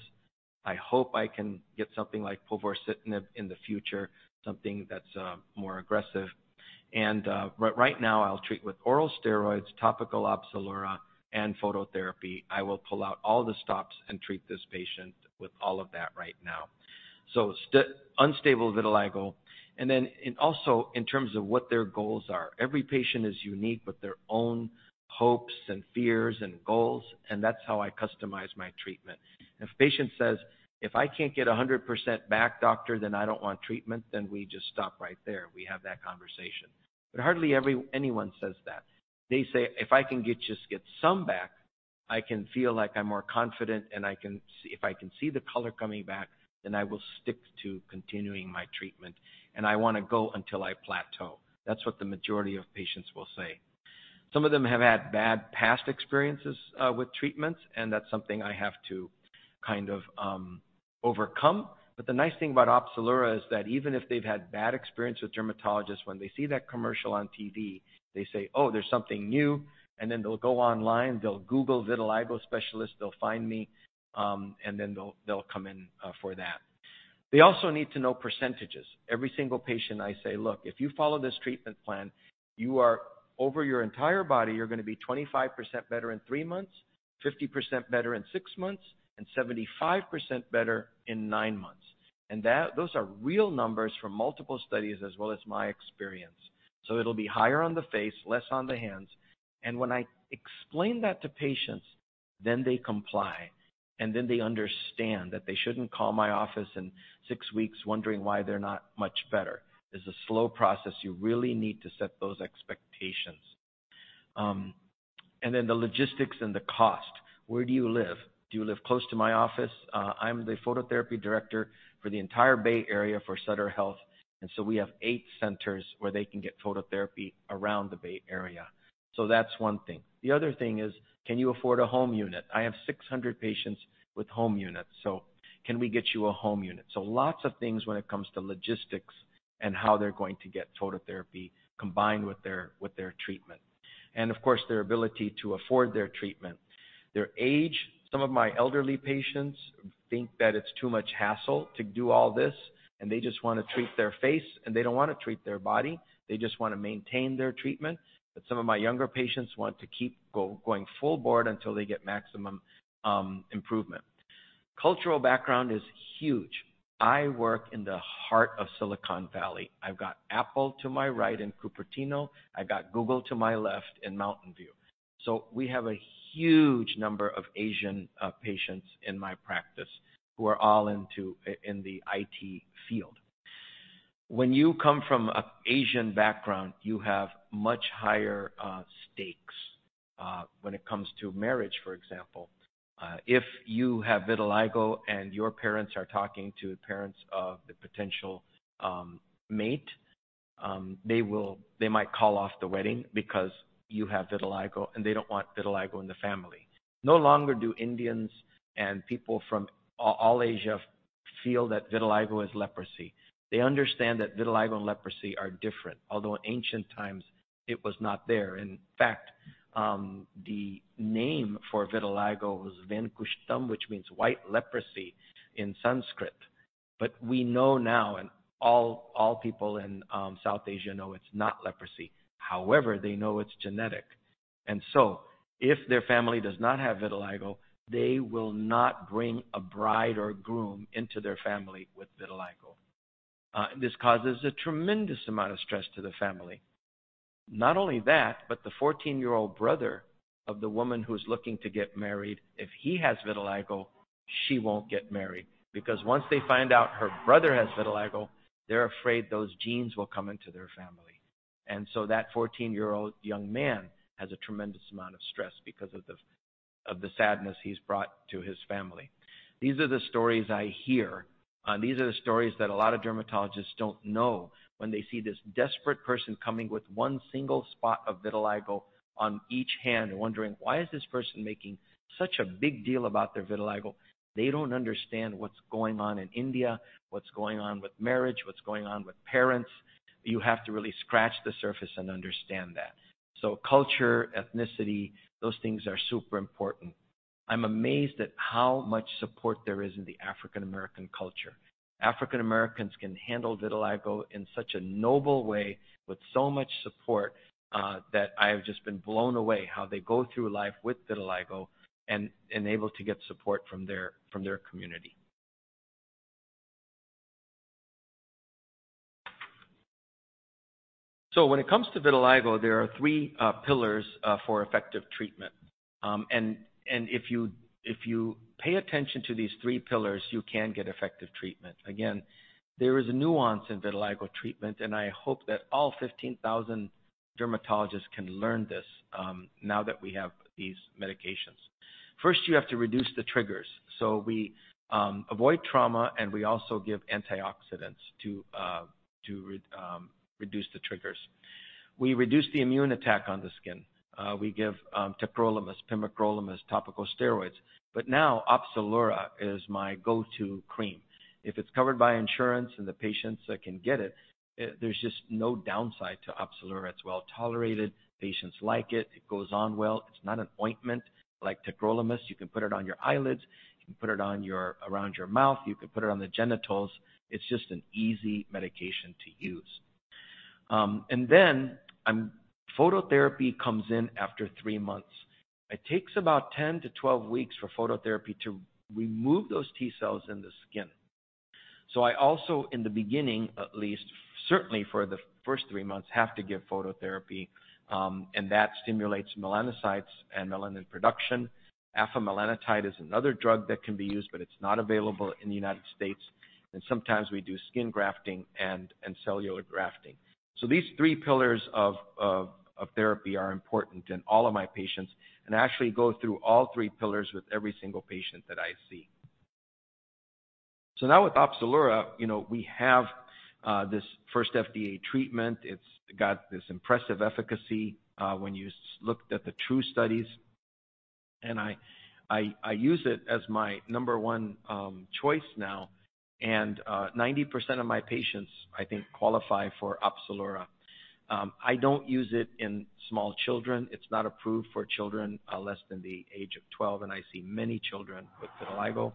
I hope I can get something like povorcitinib in the future, something that's more aggressive. Right now I'll treat with oral steroids, topical Opzelura, and phototherapy. I will pull out all the stops and treat this patient with all of that right now. Unstable vitiligo. Also in terms of what their goals are. Every patient is unique with their own hopes and fears and goals, and that's how I customize my treatment. If patient says, "If I can't get 100% back, doctor, then I don't want treatment," then we just stop right there. We have that conversation. Hardly anyone says that. They say, "If I can just get some back, I can feel like I'm more confident, and if I can see the color coming back, then I will stick to continuing my treatment, and I wanna go until I plateau." That's what the majority of patients will say. Some of them have had bad past experiences with treatments, and that's something I have to kind of overcome. The nice thing about Opzelura is that even if they've had bad experience with dermatologists, when they see that commercial on TV, they say, "Oh, there's something new." Then they'll go online, they'll Google vitiligo specialist, they'll find me, and then they'll come in for that. They also need to know percentages. Every single patient I say, "Look, if you follow this treatment plan, you are over your entire body, you're gonna be 25% better in three months, 50% better in six months, and 75% better in nine months." Those are real numbers from multiple studies as well as my experience. It'll be higher on the face, less on the hands, and when I explain that to patients, then they comply, and then they understand that they shouldn't call my office in six weeks wondering why they're not much better. It's a slow process. You really need to set those expectations. Then the logistics and the cost. Where do you live? Do you live close to my office? I'm the phototherapy director for the entire Bay Area for Sutter Health, and so we have 8 centers where they can get phototherapy around the Bay Area. That's one thing. The other thing is, can you afford a home unit? I have 600 patients with home units, so can we get you a home unit? Lots of things when it comes to logistics and how they're going to get phototherapy combined with their, with their treatment. Of course, their ability to afford their treatment. Their age. Some of my elderly patients think that it's too much hassle to do all this, and they just wanna treat their face, and they don't wanna treat their body. They just wanna maintain their treatment. Some of my younger patients want to keep going full board until they get maximum improvement. Cultural background is huge. I work in the heart of Silicon Valley. I've got Apple to my right in Cupertino. I've got Google to my left in Mountain View. We have a huge number of Asian patients in my practice who are all into in the IT field. When you come from a Asian background, you have much higher stakes when it comes to marriage, for example. If you have vitiligo, and your parents are talking to the parents of the potential mate, they might call off the wedding because you have vitiligo, and they don't want vitiligo in the family. No longer do Indians and people from all Asia feel that vitiligo is leprosy. They understand that vitiligo and leprosy are different. Although in ancient times it was not there. In fact, the name for vitiligo was venkusum, which means white leprosy in Sanskrit. We know now, and all people in South Asia know it's not leprosy. However, they know it's genetic. If their family does not have vitiligo, they will not bring a bride or groom into their family with vitiligo. This causes a tremendous amount of stress to the family. Not only that, the 14-year-old brother of the woman who's looking to get married, if he has vitiligo, she won't get married because once they find out her brother has vitiligo, they're afraid those genes will come into their family. That 14-year-old young man has a tremendous amount of stress because of the sadness he's brought to his family. These are the stories I hear. These are the stories that a lot of dermatologists don't know when they see this desperate person coming with 1 single spot of vitiligo on each hand wondering, "Why is this person making such a big deal about their vitiligo?" They don't understand what's going on in India, what's going on with marriage, what's going on with parents. You have to really scratch the surface and understand that. Culture, ethnicity, those things are super important. I'm amazed at how much support there is in the African American culture. African Americans can handle vitiligo in such a noble way with so much support that I've just been blown away how they go through life with vitiligo and enable to get support from their community. When it comes to vitiligo, there are three pillars for effective treatment. If you pay attention to these three pillars, you can get effective treatment. Again, there is a nuance in vitiligo treatment, and I hope that all 15,000 dermatologists can learn this now that we have these medications. First, you have to reduce the triggers. We avoid trauma, and we also give antioxidants to reduce the triggers. We reduce the immune attack on the skin. We give tacrolimus, pimecrolimus, topical steroids. Now Opzelura is my go-to cream. If it's covered by insurance and the patients can get it, there's just no downside to Opzelura. It's well-tolerated. Patients like it. It goes on well. It's not an ointment like tacrolimus. You can put it on your eyelids. You can put it on your around your mouth. You can put it on the genitals. It's just an easy medication to use. Then phototherapy comes in after three months. It takes about 10-12 weeks for phototherapy to remove those T-cells in the skin. I also, in the beginning at least, certainly for the first three months, have to give phototherapy, and that stimulates melanocytes and melanin production. Afamelanotide is another drug that can be used, it's not available in the United States. Sometimes we do skin grafting and cellular grafting. These three pillars of therapy are important in all of my patients and actually go through all three pillars with every single patient that I see. Now with Opzelura, you know, we have this first FDA treatment. It's got this impressive efficacy when you looked at the TRuE-V studies. I use it as my number one choice now. 90% of my patients, I think, qualify for Opzelura. I don't use it in small children. It's not approved for children less than the age of 12, and I see many children with vitiligo.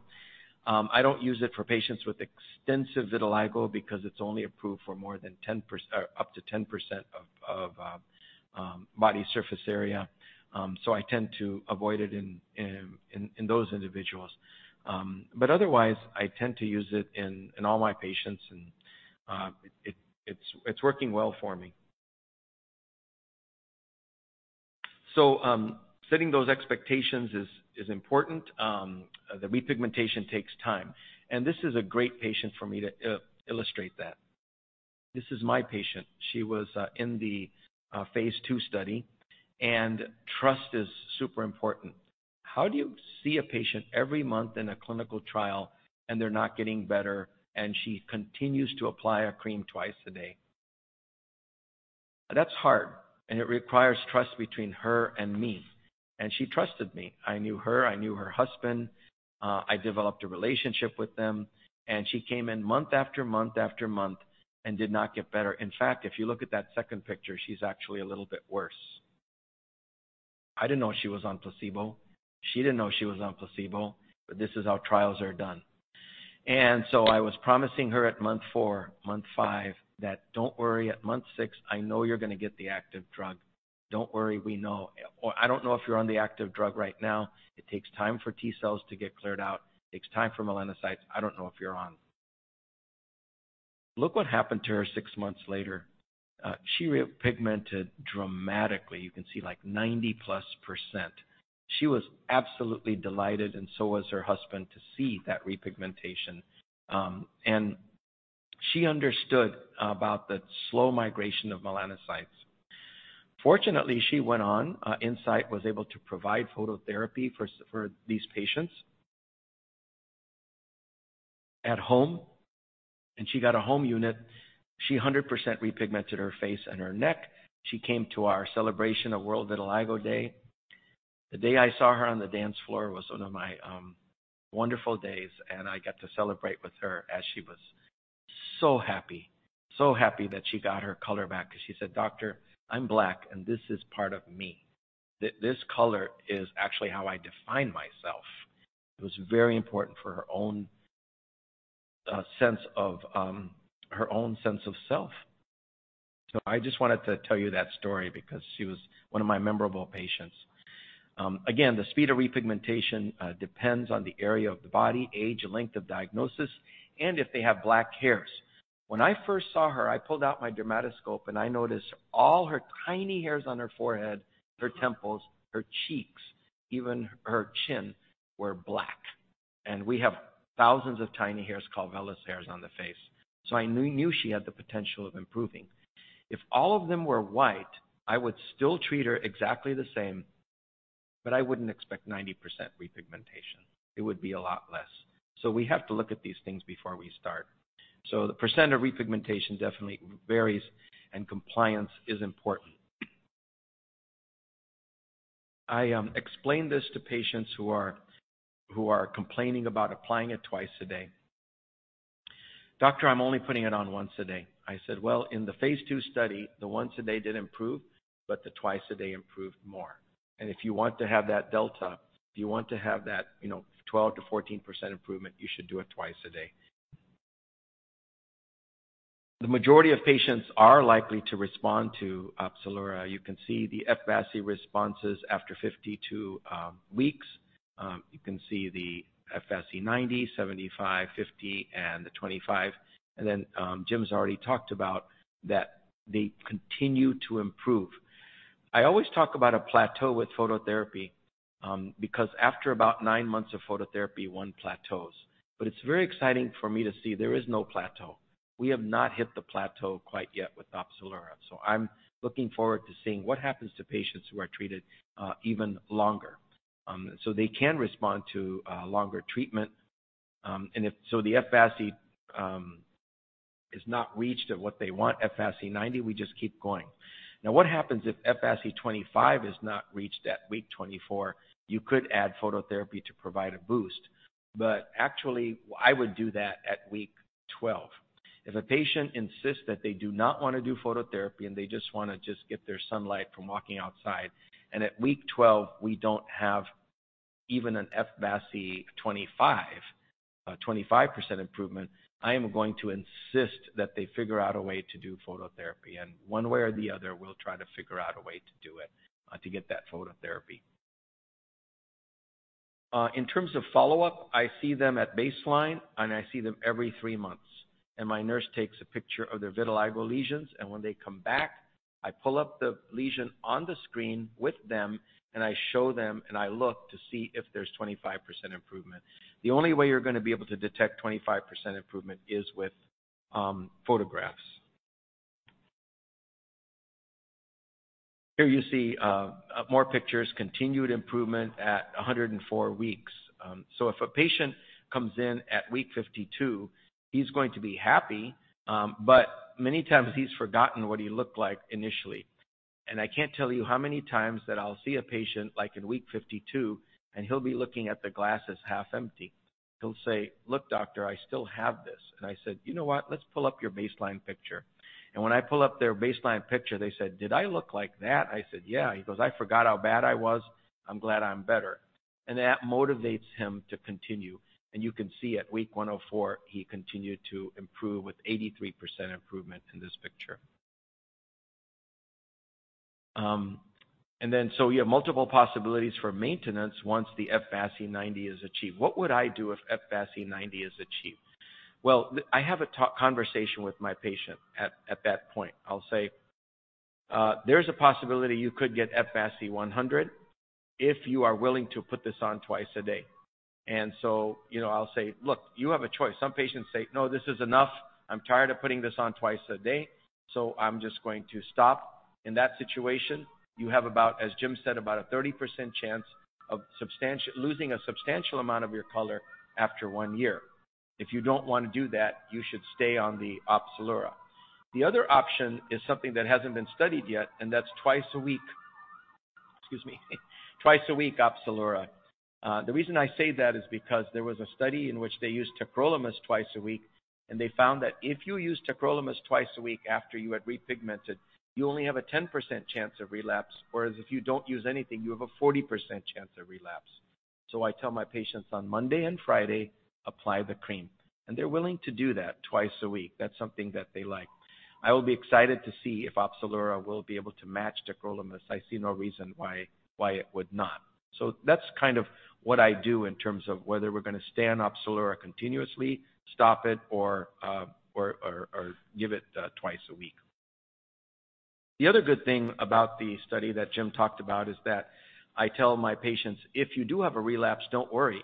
I don't use it for patients with extensive vitiligo because it's only approved for more than 10% or up to 10% of body surface area. I tend to avoid it in those individuals. Otherwise, I tend to use it in all my patients, and it's working well for me. Setting those expectations is important. The repigmentation takes time. This is a great patient for me to illustrate that. This is my patient. She was in the phase II study, and trust is super important. How do you see a patient every month in a clinical trial, and they're not getting better, and she continues to apply a cream twice a day? That's hard, and it requires trust between her and me. She trusted me. I knew her. I knew her husband. I developed a relationship with them. She came in month after month after month and did not get better. In fact, if you look at that second picture, she's actually a little bit worse. I didn't know she was on placebo. She didn't know she was on placebo. This is how trials are done. I was promising her at month four, month five that, "Don't worry. At month six, I know you're going to get the active drug. Don't worry. We know. Or I don't know if you're on the active drug right now. It takes time for T-cells to get cleared out. It takes time for melanocytes. I don't know if you're on." Look what happened to her six months later. She repigmented dramatically. You can see like 90+%. She was absolutely delighted, and so was her husband, to see that repigmentation. She understood about the slow migration of melanocytes. Fortunately, she went on. Incyte was able to provide phototherapy for these patients at home. She got a home unit. She 100% repigmented her face and her neck. She came to our celebration of World Vitiligo Day. The day I saw her on the dance floor was one of my wonderful days. I got to celebrate with her as she was so happy that she got her color back because she said, "Doctor, I'm Black, and this is part of me. This color is actually how I define myself." It was very important for her own sense of her own sense of self. I just wanted to tell you that story because she was one of my memorable patients. Again, the speed of repigmentation depends on the area of the body, age, length of diagnosis, and if they have black hairs. When I first saw her, I pulled out my dermatoscope, and I noticed all her tiny hairs on her forehead, her temples, her cheeks, even her chin were black. We have thousands of tiny hairs called vellus hairs on the face. I knew she had the potential of improving. If all of them were white, I would still treat her exactly the same, but I wouldn't expect 90% repigmentation. It would be a lot less. We have to look at these things before we start. The percent of repigmentation definitely varies, and compliance is important. I explain this to patients who are complaining about applying it twice a day. Doctor, I'm only putting it on once a day." I said, "Well, in the phase II study, the once-a-day did improve, but the twice-a-day improved more. If you want to have that delta, if you want to have that, you know, 12%-14% improvement, you should do it twice a day." The majority of patients are likely to respond to Opzelura. You can see the F-VASI responses after 52 weeks. You can see the F-VASI90, 75, 50, and 25. Then, Jim's already talked about that they continue to improve. I always talk about a plateau with phototherapy because after about nine months of phototherapy, one plateaus. It's very exciting for me to see there is no plateau. We have not hit the plateau quite yet with Opzelura. I'm looking forward to seeing what happens to patients who are treated even longer. They can respond to longer treatment. If the F-VASI is not reached at what they want, F-VASI90, we just keep going. What happens if F-VASI25 is not reached at week 24? You could add phototherapy to provide a boost. Actually, I would do that at week 12. If a patient insists that they do not wanna do phototherapy and they just wanna get their sunlight from walking outside, and at week 12, we don't have even an F-VASI 25% improvement, I am going to insist that they figure out a way to do phototherapy. One way or the other, we'll try to figure out a way to do it to get that phototherapy. In terms of follow-up, I see them at baseline, and I see them every three months. My nurse takes a picture of their vitiligo lesions, and when they come back, I pull up the lesion on the screen with them, and I show them, and I look to see if there's 25% improvement. The only way you're gonna be able to detect 25% improvement is with photographs. Here you see more pictures, continued improvement at 104 weeks. If a patient comes in at week 52, he's going to be happy, but many times he's forgotten what he looked like initially. I can't tell you how many times that I'll see a patient, like in week 52, and he'll be looking at the glass as half empty. He'll say, "Look, doctor, I still have this." I said, "You know what? Let's pull up your baseline picture." When I pull up their baseline picture, they said, "Did I look like that?" I said, "Yeah." He goes, "I forgot how bad I was. I'm glad I'm better." That motivates him to continue. You can see at week 104, he continued to improve with 83% improvement in this picture. So you have multiple possibilities for maintenance once the F-VASI90 is achieved. What would I do if F-VASI90 is achieved? Well, I have a conversation with my patient at that point. I'll say, "There's a possibility you could get F-VASI100 if you are willing to put this on twice a day." You know, I'll say, "Look, you have a choice." Some patients say, "No, this is enough. I'm tired of putting this on twice a day, so I'm just going to stop." In that situation, you have about, as Jim said, about a 30% chance of losing a substantial amount of your color after one year. If you don't wanna do that, you should stay on the Opzelura. The other option is something that hasn't been studied yet, that's twice a week. Excuse me. Twice a week Opzelura. The reason I say that is because there was a study in which they used tacrolimus twice a week, and they found that if you use tacrolimus twice a week after you had repigmented, you only have a 10% chance of relapse, whereas if you don't use anything, you have a 40% chance of relapse. I tell my patients, on Monday and Friday, apply the cream. They're willing to do that twice a week. That's something that they like. I will be excited to see if Opzelura will be able to match tacrolimus. I see no reason why it would not. That's kind of what I do in terms of whether we're gonna stay on Opzelura continuously, stop it or give it twice a week. The other good thing about the study that Jim talked about is that I tell my patients, "If you do have a relapse, don't worry.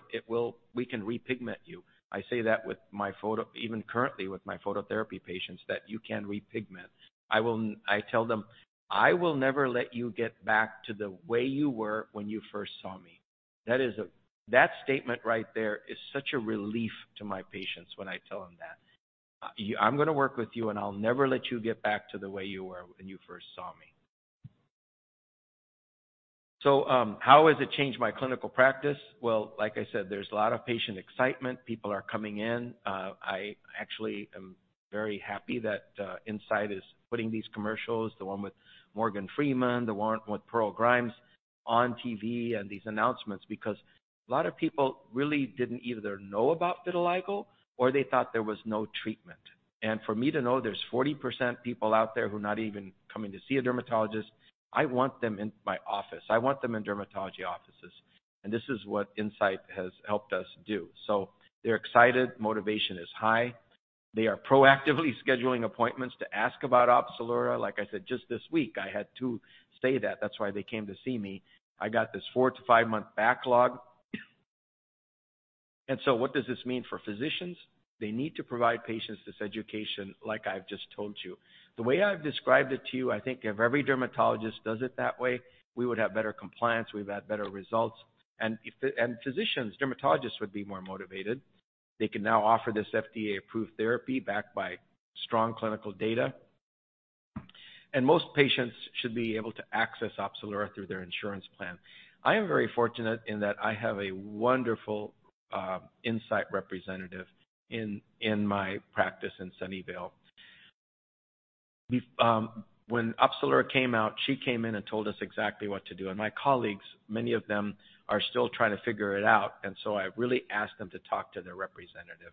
We can repigment you." I say that even currently with my phototherapy patients, that you can repigment. I tell them, "I will never let you get back to the way you were when you first saw me." That statement right there is such a relief to my patients when I tell them that. I'm gonna work with you, and I'll never let you get back to the way you were when you first saw me. How has it changed my clinical practice? Well, like I said, there's a lot of patient excitement. People are coming in. I actually am very happy that Incyte is putting these commercials, the one with Morgan Freeman, the one with Pearl Grimes on TV and these announcements because a lot of people really didn't either know about vitiligo or they thought there was no treatment. For me to know there's 40% people out there who are not even coming to see a dermatologist, I want them in my office. I want them in dermatology offices. This is what Incyte has helped us do. They're excited. Motivation is high. They are proactively scheduling appointments to ask about Opzelura. Like I said, just this week, I had to say that. That's why they came to see me. I got this four-five-month backlog. What does this mean for physicians? They need to provide patients this education like I've just told you. The way I've described it to you, I think if every dermatologist does it that way, we would have better compliance. We'd have better results. Physicians, dermatologists would be more motivated. They can now offer this FDA-approved therapy backed by strong clinical data. Most patients should be able to access Opzelura through their insurance plan. I am very fortunate in that I have a wonderful Incyte representative in my practice in Sunnyvale. We've When Opzelura came out, she came in and told us exactly what to do. My colleagues, many of them are still trying to figure it out. I really asked them to talk to their representative.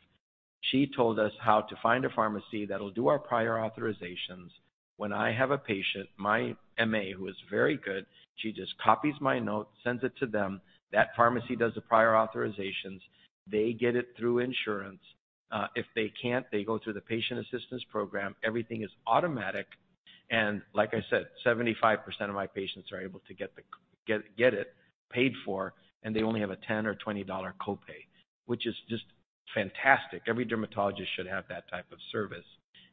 She told us how to find a pharmacy that'll do our prior authorizations. When I have a patient, my MA, who is very good, she just copies my note, sends it to them. That pharmacy does the prior authorizations. They get it through insurance. If they can't, they go through the patient assistance program. Everything is automatic. Like I said, 75% of my patients are able to get it paid for, and they only have a $10 or $20 copay. Which is just fantastic. Every dermatologist should have that type of service,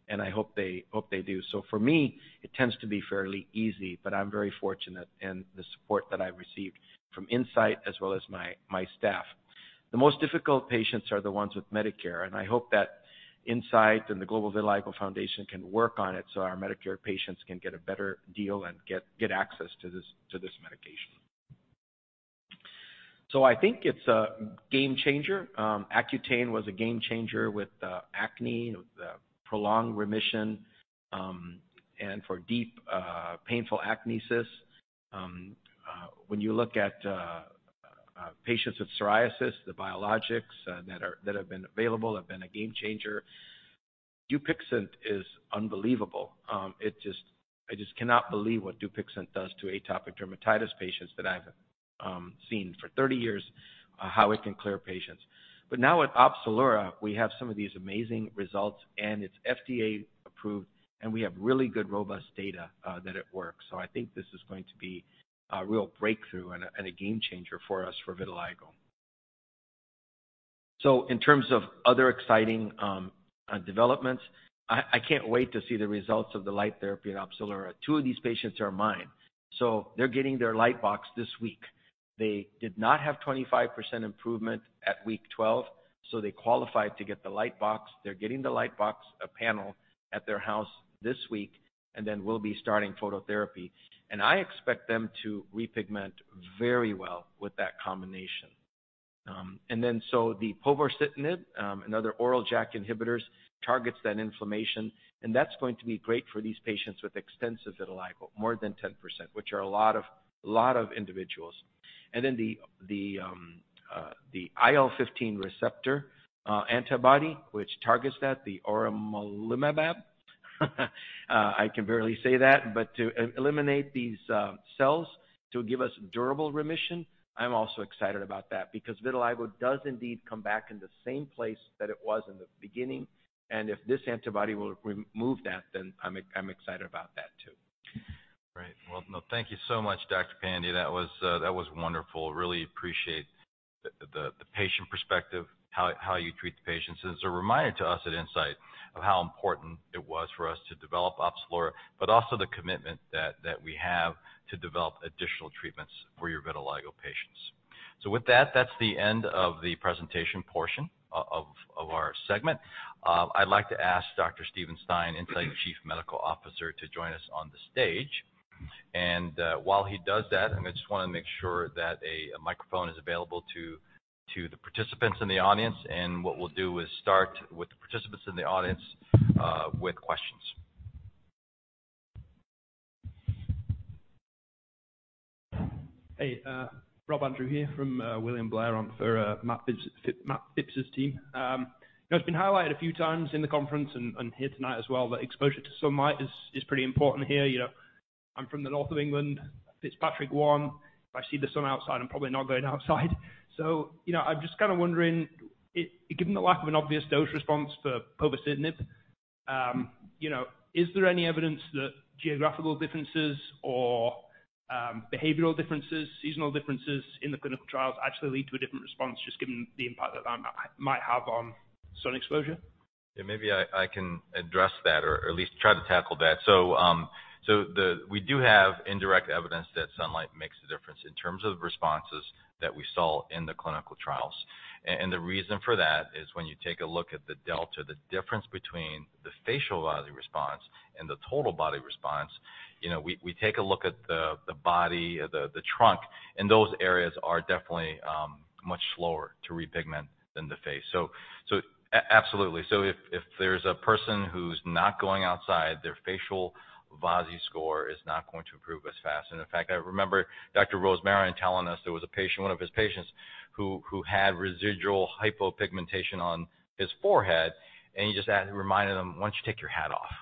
and I hope they do. For me, it tends to be fairly easy, but I'm very fortunate in the support that I've received from Incyte as well as my staff. The most difficult patients are the ones with Medicare, and I hope that Incyte and the Global Vitiligo Foundation can work on it so our Medicare patients can get a better deal and get access to this, to this medication. I think it's a game changer. Accutane was a game changer with acne, with the prolonged remission, and for deep, painful acne. When you look at patients with psoriasis, the biologics that have been available have been a game changer. Dupixent is unbelievable. I just cannot believe what Dupixent does to atopic dermatitis patients that I've seen for 30 years, how it can clear patients. Now with Opzelura, we have some of these amazing results, and it's FDA-approved, and we have really good, robust data that it works. I think this is going to be a real breakthrough and a, and a game changer for us for vitiligo. In terms of other exciting developments, I can't wait to see the results of the light therapy at Opzelura. Two of these patients are mine, so they're getting their light box this week. They did not have 25% improvement at week 12, so they qualified to get the light box. They're getting the light box, a panel, at their house this week, and then we'll be starting phototherapy. I expect them to repigment very well with that combination. The povorcitinib and other oral JAK inhibitors targets that inflammation, and that's going to be great for these patients with extensive vitiligo, more than 10%, which are a lot of individuals. The IL-15 receptor antibody, which targets that, the auremolimab, I can barely say that, but to eliminate these cells to give us durable remission, I'm also excited about that because vitiligo does indeed come back in the same place that it was in the beginning. If this antibody will re-remove that, then I'm excited about that too.
Great. No, thank you so much, Dr. Pandya. That was wonderful. Really appreciate the, the patient perspective, how you treat the patients. It's a reminder to us at Incyte of how important it was for us to develop Opzelura, but also the commitment that we have to develop additional treatments for your vitiligo patients. With that's the end of the presentation portion of our segment. I'd like to ask Dr. Steven Stein, Incyte Chief Medical Officer, to join us on the stage. While he does that, I just wanna make sure that a microphone is available to the participants in the audience. What we'll do is start with the participants in the audience with questions.
Hey, Rob Andrew here from William Blair on for Matt Phipps's team. You know, it's been highlighted a few times in the conference and here tonight as well that exposure to sunlight is pretty important here. You know, I'm from the north of England, Fitzpatrick 1. If I see the sun outside, I'm probably not going outside. You know, I'm just kind of wondering, given the lack of an obvious dose response for povorcitinib, you know, is there any evidence that geographical differences or behavioral differences, seasonal differences in the clinical trials actually lead to a different response just given the impact that might have on sun exposure?
Yeah, maybe I can address that or at least try to tackle that. We do have indirect evidence that sunlight makes a difference in terms of responses that we saw in the clinical trials. The reason for that is when you take a look at the delta, the difference between the facial VASI response and the total body response, you know, we take a look at the body, the trunk, and those areas are definitely much slower to repigment than the face. Absolutely. If there's a person who's not going outside, their facial VASI score is not going to improve as fast. In fact, I remember Dr. David Rosmarin telling us there was a patient, one of his patients who had residual hypopigmentation on his forehead, and he just reminded him, "Why don't you take your hat off?"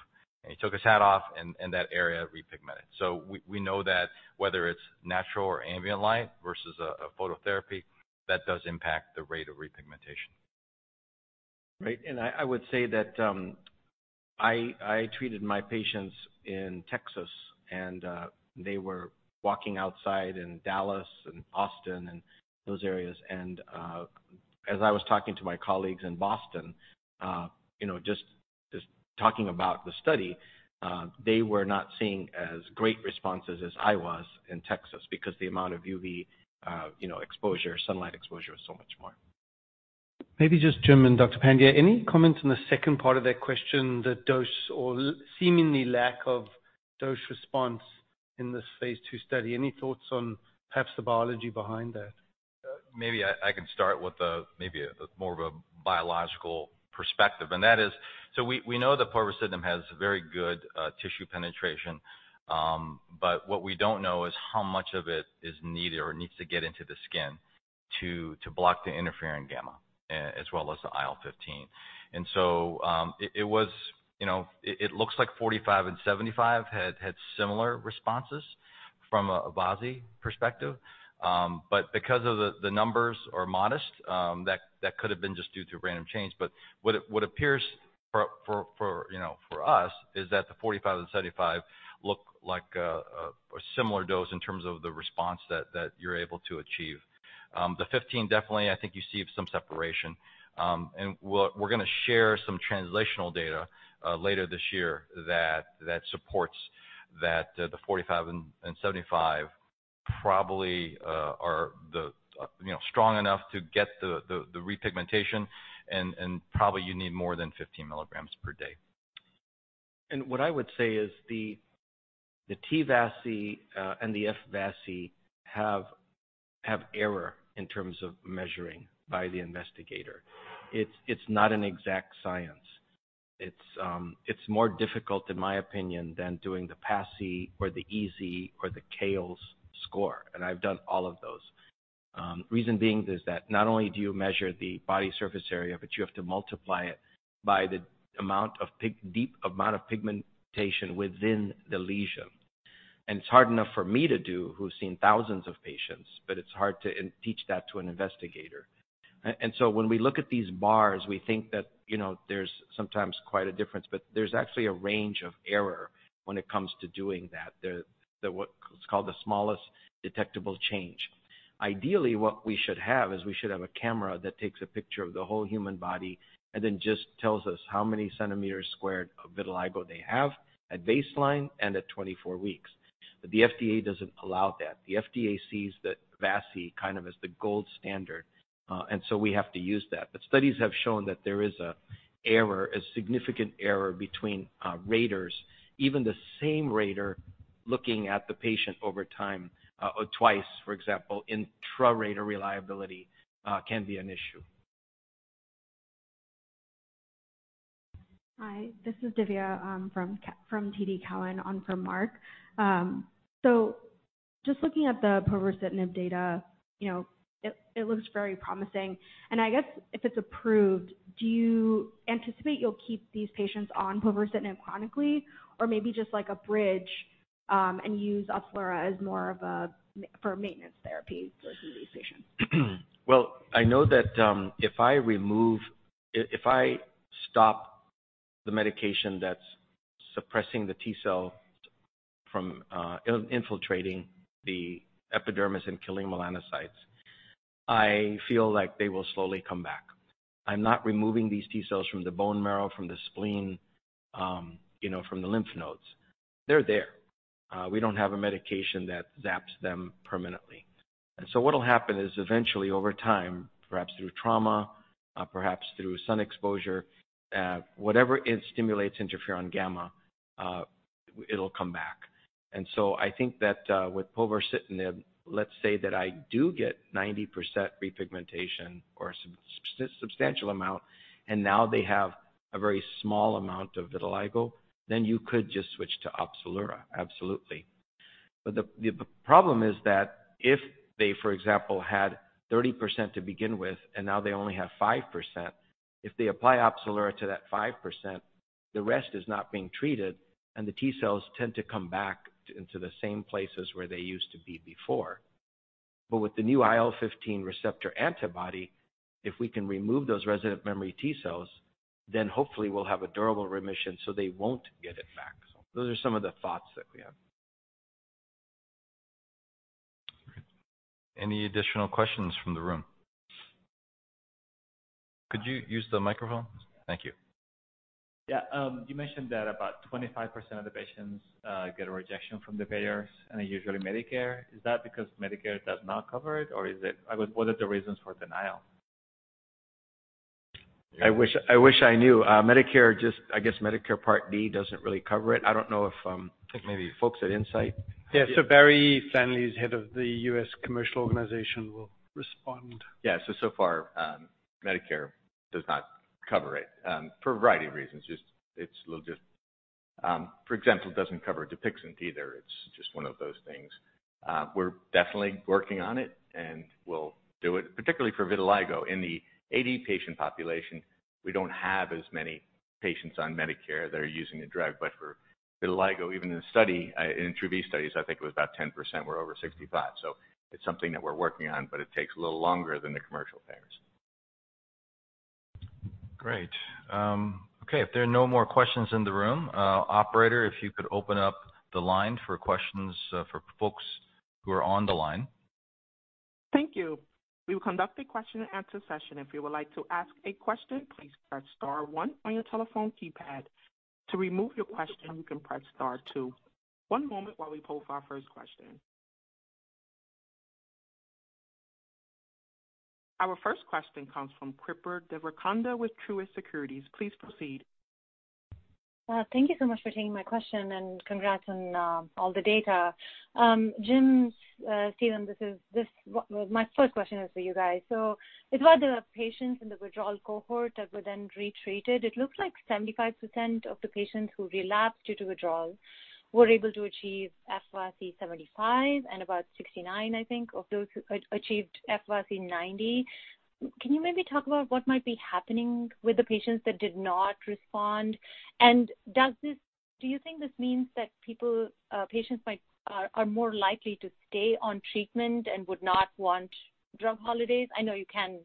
He took his hat off, and that area repigmented. We know that whether it's natural or ambient light versus a phototherapy, that does impact the rate of repigmentation.
Right. I would say that, I treated my patients in Texas, and they were walking outside in Dallas and Austin and those areas. As I was talking to my colleagues in Boston, you know, just talking about the study, they were not seeing as great responses as I was in Texas because the amount of UV, you know, exposure, sunlight exposure was so much more.
Maybe just Jim and Dr. Pandya, any comments on the second part of that question, the dose or seemingly lack of dose response in this phase II study? Any thoughts on perhaps the biology behind that?
Maybe I can start with a more of a biological perspective, and that is we know that povorcitinib has very good tissue penetration. What we don't know is how much of it is needed or needs to get into the skin to block the interferon-γ as well as the IL-15. It was, you know, it looks like 45 and 75 had similar responses from a VASI perspective. Because of the numbers are modest, that could have been just due to random change. What appears, you know, for us is that the 45 and 75 look like a similar dose in terms of the response that you're able to achieve. The 15 definitely, I think you see some separation. We're gonna share some translational data later this year that supports that, the 45 and 75 probably are the, you know, strong enough to get the repigmentation and probably you need more than 15 mg per day.
What I would say is the T-VASI and the F-VASI have error in terms of measuring by the investigator. It's not an exact science. It's more difficult, in my opinion, than doing the PASI or the EASI or the VASI score, and I've done all of those. Reason being is that not only do you measure the body surface area, but you have to multiply it by the amount of deep amount of pigmentation within the lesion. It's hard enough for me to do who's seen thousands of patients, but it's hard to teach that to an investigator. When we look at these bars, we think that, you know, there's sometimes quite a difference, but there's actually a range of error when it comes to doing that. The smallest detectable change. Ideally, what we should have is we should have a camera that takes a picture of the whole human body and then just tells us how many centimeters squared of vitiligo they have at baseline and at 24 weeks. The FDA doesn't allow that. The FDA sees the VASI kind of as the gold standard, and so we have to use that. Studies have shown that there is a error, a significant error between raters, even the same rater looking at the patient over time, or twice, for example, intra-rater reliability can be an issue.
Hi, this is Divya Rao, from TD Cowen on for Mark. Just looking at the povorcitinib data, you know, it looks very promising. I guess if it's approved, do you anticipate you'll keep these patients on povorcitinib chronically, or maybe just like a bridge, and use Opzelura as more of a for maintenance therapy for these patients?
I know that, if I stop the medication that's suppressing the T cell from infiltrating the epidermis and killing melanocytes, I feel like they will slowly come back. I'm not removing these T cells from the bone marrow, from the spleen, you know, from the lymph nodes. They're there. We don't have a medication that zaps them permanently. What'll happen is eventually over time, perhaps through trauma, perhaps through sun exposure, whatever it stimulates interferon-γ, it'll come back. I think that, with povorcitinib, let's say that I do get 90% repigmentation or substantial amount, and now they have a very small amount of vitiligo, then you could just switch to Opzelura. Absolutely. The problem is that if they, for example, had 30% to begin with and now they only have 5%, if they apply Opzelura to that 5%, the rest is not being treated, and the T cells tend to come back to, into the same places where they used to be before. With the new IL-15 receptor antibody, if we can remove those resident memory T cells, then hopefully we'll have a durable remission, so they won't get it back. Those are some of the thoughts that we have.
Any additional questions from the room? Could you use the microphone? Thank you.
Yeah. You mentioned that about 25% of the patients, get a rejection from the payers and are usually Medicare. Is that because Medicare does not cover it, or what are the reasons for denial?
I wish, I wish I knew. I guess Medicare Part D doesn't really cover it. I don't know if...
I think maybe folks at Incyte.
Yeah. Barry Flannelly, who's head of the U.S. commercial organization, will respond.
Yeah. So far, Medicare does not cover it for a variety of reasons. Just it's a little. For example, it doesn't cover Dupixent either. It's just one of those things. We're definitely working on it, and we'll do it particularly for vitiligo. In the AD patient population, we don't have as many patients on Medicare that are using the drug. For vitiligo, even in the study, in TRuE-V studies, I think it was about 10% were over 65. It's something that we're working on, but it takes a little longer than the commercial payers. Great. Okay. If there are no more questions in the room, operator, if you could open up the line for questions for folks who are on the line.
Thank you. We will conduct a question and answer session. If you would like to ask a question, please press star one on your telephone keypad. To remove your question, you can press star two. One moment while we poll for our first question. Our first question comes from Srikripa Devarakonda with Truist Securities. Please proceed.
Thank you so much for taking my question, congrats on all the data. Jim, Steven, My first question is for you guys. It's about the patients in the withdrawal cohort that were then retreated. It looks like 75% of the patients who relapsed due to withdrawal were able to achieve F-VASI75 and about 69, I think, of those who achieved F-VASI90. Can you maybe talk about what might be happening with the patients that did not respond? Do you think this means that people, patients are more likely to stay on treatment and would not want drug holidays? I know you can't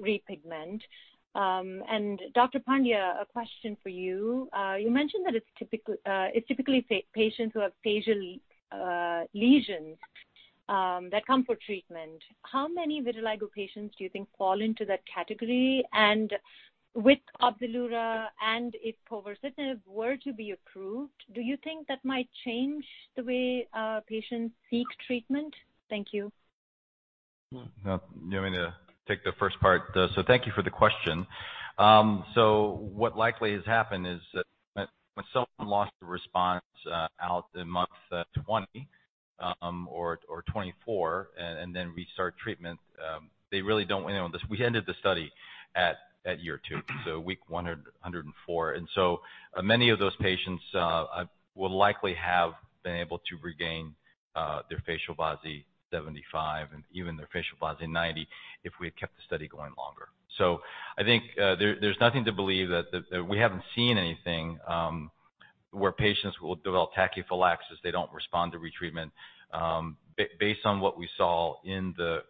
repigment. Dr. Pandya, a question for you. You mentioned that it's typically patients who have facial lesions that come for treatment. How many vitiligo patients do you think fall into that category? With Opzelura and if povorcitinib were to be approved, do you think that might change the way patients seek treatment? Thank you.
Well, you want me to take the first part? Thank you for the question. What likely has happened is that when someone lost the response out in month 20 or 24 and then restart treatment, they really don't weigh on this. We ended the study at year two, so week 104. Many of those patients will likely have been able to regain their facial F-VASI75 and even their facial F-VASI90 if we had kept the study going longer. I think there's nothing to believe that we haven't seen anything where patients will develop tachyphylaxis, they don't respond to retreatment. Based on that we saw in the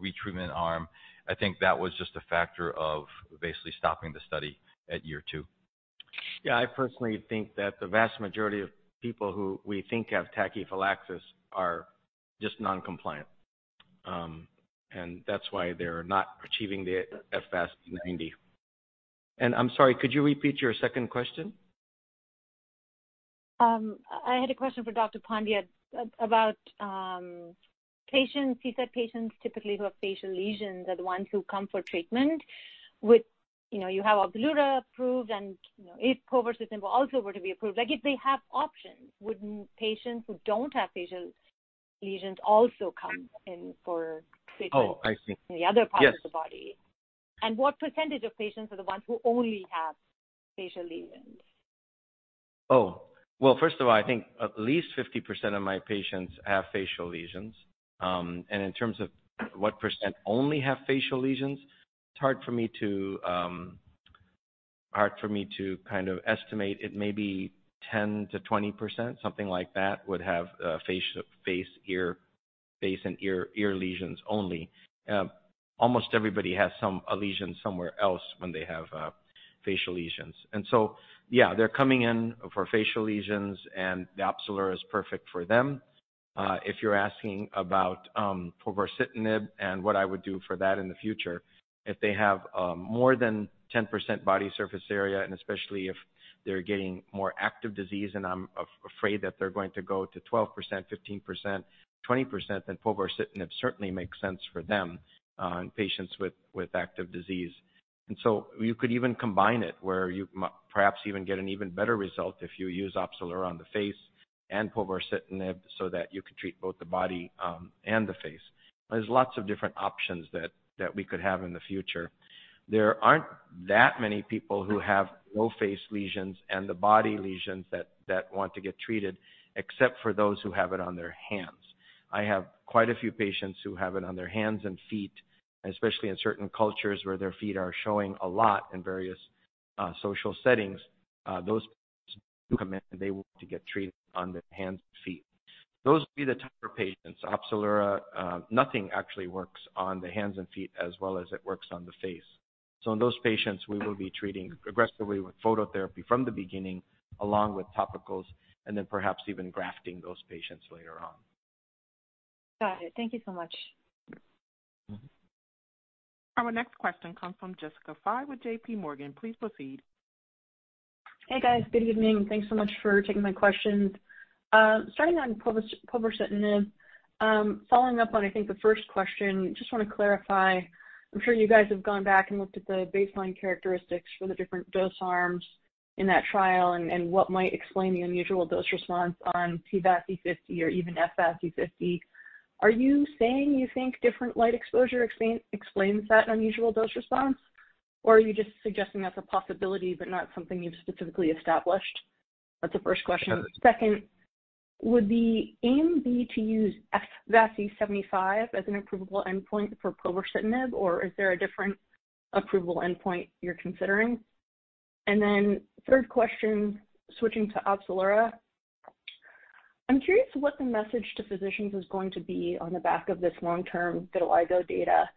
retreatment arm, I think that was just a factor of basically stopping the study at year two.
Yeah. I personally think that the vast majority of people who we think have tachyphylaxis are just non-compliant. That's why they're not achieving the F-VASI90. I'm sorry, could you repeat your second question?
I had a question for Dr. Pandya about patients. He said patients typically who have facial lesions are the ones who come for treatment. With, you know, you have Opzelura approved, and, you know, if povorcitinib also were to be approved, like if they have options, wouldn't patients who don't have facial lesions also come in for treatment?
Oh, I see.
in the other parts
Yes.
-of the body. What % of patients are the ones who only have facial lesions?
Oh, well, first of all, I think at least 50% of my patients have facial lesions. In terms of what percent only have facial lesions, it's hard for me to kind of estimate. It may be 10%-20%, something like that would have face, ear, face and ear lesions only. Almost everybody has a lesion somewhere else when they have facial lesions. Yeah, they're coming in for facial lesions, and the Opzelura is perfect for them. If you're asking about povorcitinib and what I would do for that in the future, if they have more than 10% body surface area, and especially if they're getting more active disease and I'm afraid that they're going to go to 12%, 15%, 20%, then povorcitinib certainly makes sense for them in patients with active disease. You could even combine it where you perhaps even get an even better result if you use Opzelura on the face and povorcitinib so that you could treat both the body and the face. There's lots of different options that we could have in the future. There aren't that many people who have both face lesions and the body lesions that want to get treated except for those who have it on their hands. I have quite a few patients who have it on their hands and feet, especially in certain cultures where their feet are showing a lot in various social settings. Those patients do come in, and they want to get treated on their hands and feet. Those will be the tougher patients. Opzelura, nothing actually works on the hands and feet as well as it works on the face. In those patients, we will be treating aggressively with phototherapy from the beginning, along with topicals, and then perhaps even grafting those patients later on.
Got it. Thank you so much.
Mm-hmm.
Our next question comes from Jessica Fye with JPMorgan. Please proceed.
Hey, guys. Good evening. Thanks so much for taking my questions. Starting on povorcitinib, following up on, I think, the first question, just wanna clarify. I'm sure you guys have gone back and looked at the baseline characteristics for the different dose arms in that trial and what might explain the unusual dose response on P-VASI50 or even F-VASI50. Are you saying you think different light exposure explains that unusual dose response? Are you just suggesting that's a possibility but not something you've specifically established? That's the first question.
Sure.
Second, would the aim be to use F-VASI75 as an approvable endpoint for povorcitinib, or is there a different approvable endpoint you're considering? Third question, switching to Opzelura. I'm curious what the message to physicians is going to be on the back of this long-term vitiligo data.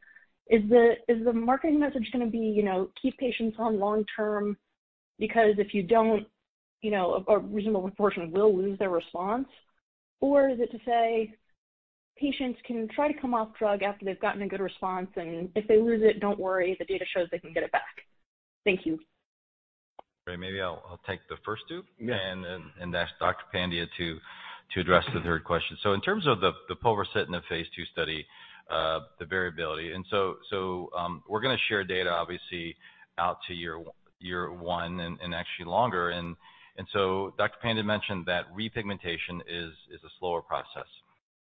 Is the marketing message gonna be, you know, keep patients on long-term because if you don't, you know, a reasonable proportion will lose their response? Or is it to say patients can try to come off drug after they've gotten a good response, and if they lose it, don't worry, the data shows they can get it back. Thank you.
Maybe I'll take the first two.
Yeah.
Then, ask Dr. Pandya to address the third question. In terms of the povorcitinib phase II study, the variability, and so, we're gonna share data obviously out to year one and actually longer. Dr. Pandya mentioned that repigmentation is a slower process.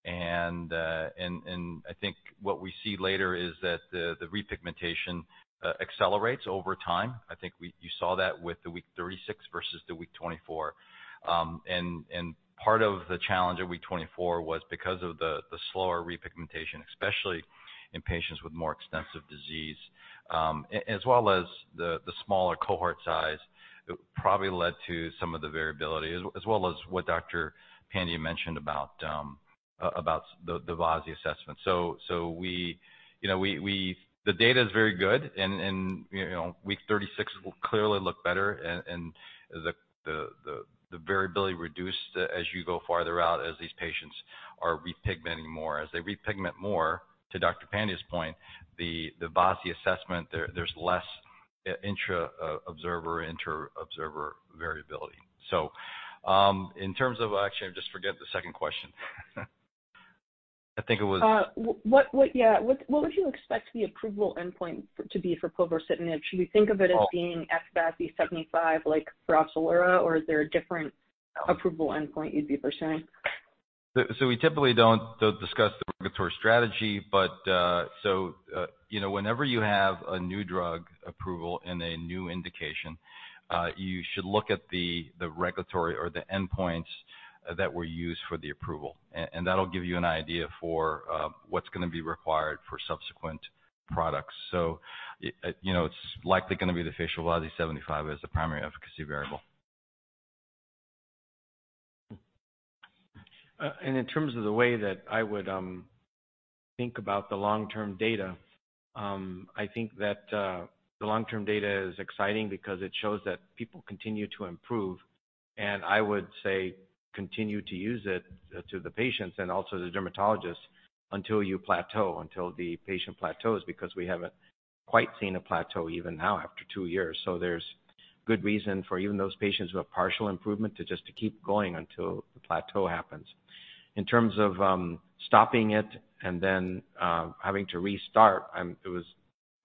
I think what we see later is that the repigmentation accelerates over time. I think you saw that with the week 36 versus the week 24. Part of the challenge at week 24 was because of the slower repigmentation, especially in patients with more extensive disease. As well as the smaller cohort size, it probably led to some of the variability as well as what Dr. Pandya mentioned about the F-VASI assessment. The data is very good, you know, week 36 will clearly look better and the variability reduced as you go farther out, as these patients are repigmenting more. As they repigment more, to Dr. Pandya's point, the F-VASI assessment, there's less intraobserver, interobserver variability. In terms of. Actually, I just forget the second question. I think it was.
What. Yeah. What would you expect the approval endpoint to be for pilsicatinib? Should we think of it as being F-VASI75, like for Opzelura, or is there a different approval endpoint you'd be pursuing?
We typically don't discuss the regulatory strategy. You know, whenever you have a new drug approval and a new indication, you should look at the regulatory or the endpoints that were used for the approval. And that'll give you an idea for what's gonna be required for subsequent products. You know, it's likely gonna be the facial F-VASI75 as the primary efficacy variable.
In terms of the way that I would think about the long-term data, I think that the long-term data is exciting because it shows that people continue to improve, and I would say continue to use it to the patients and also the dermatologists until you plateau, until the patient plateaus, because we haven't quite seen a plateau even now after two years. There's good reason for even those patients who have partial improvement to just to keep going until the plateau happens. In terms of stopping it and then having to restart,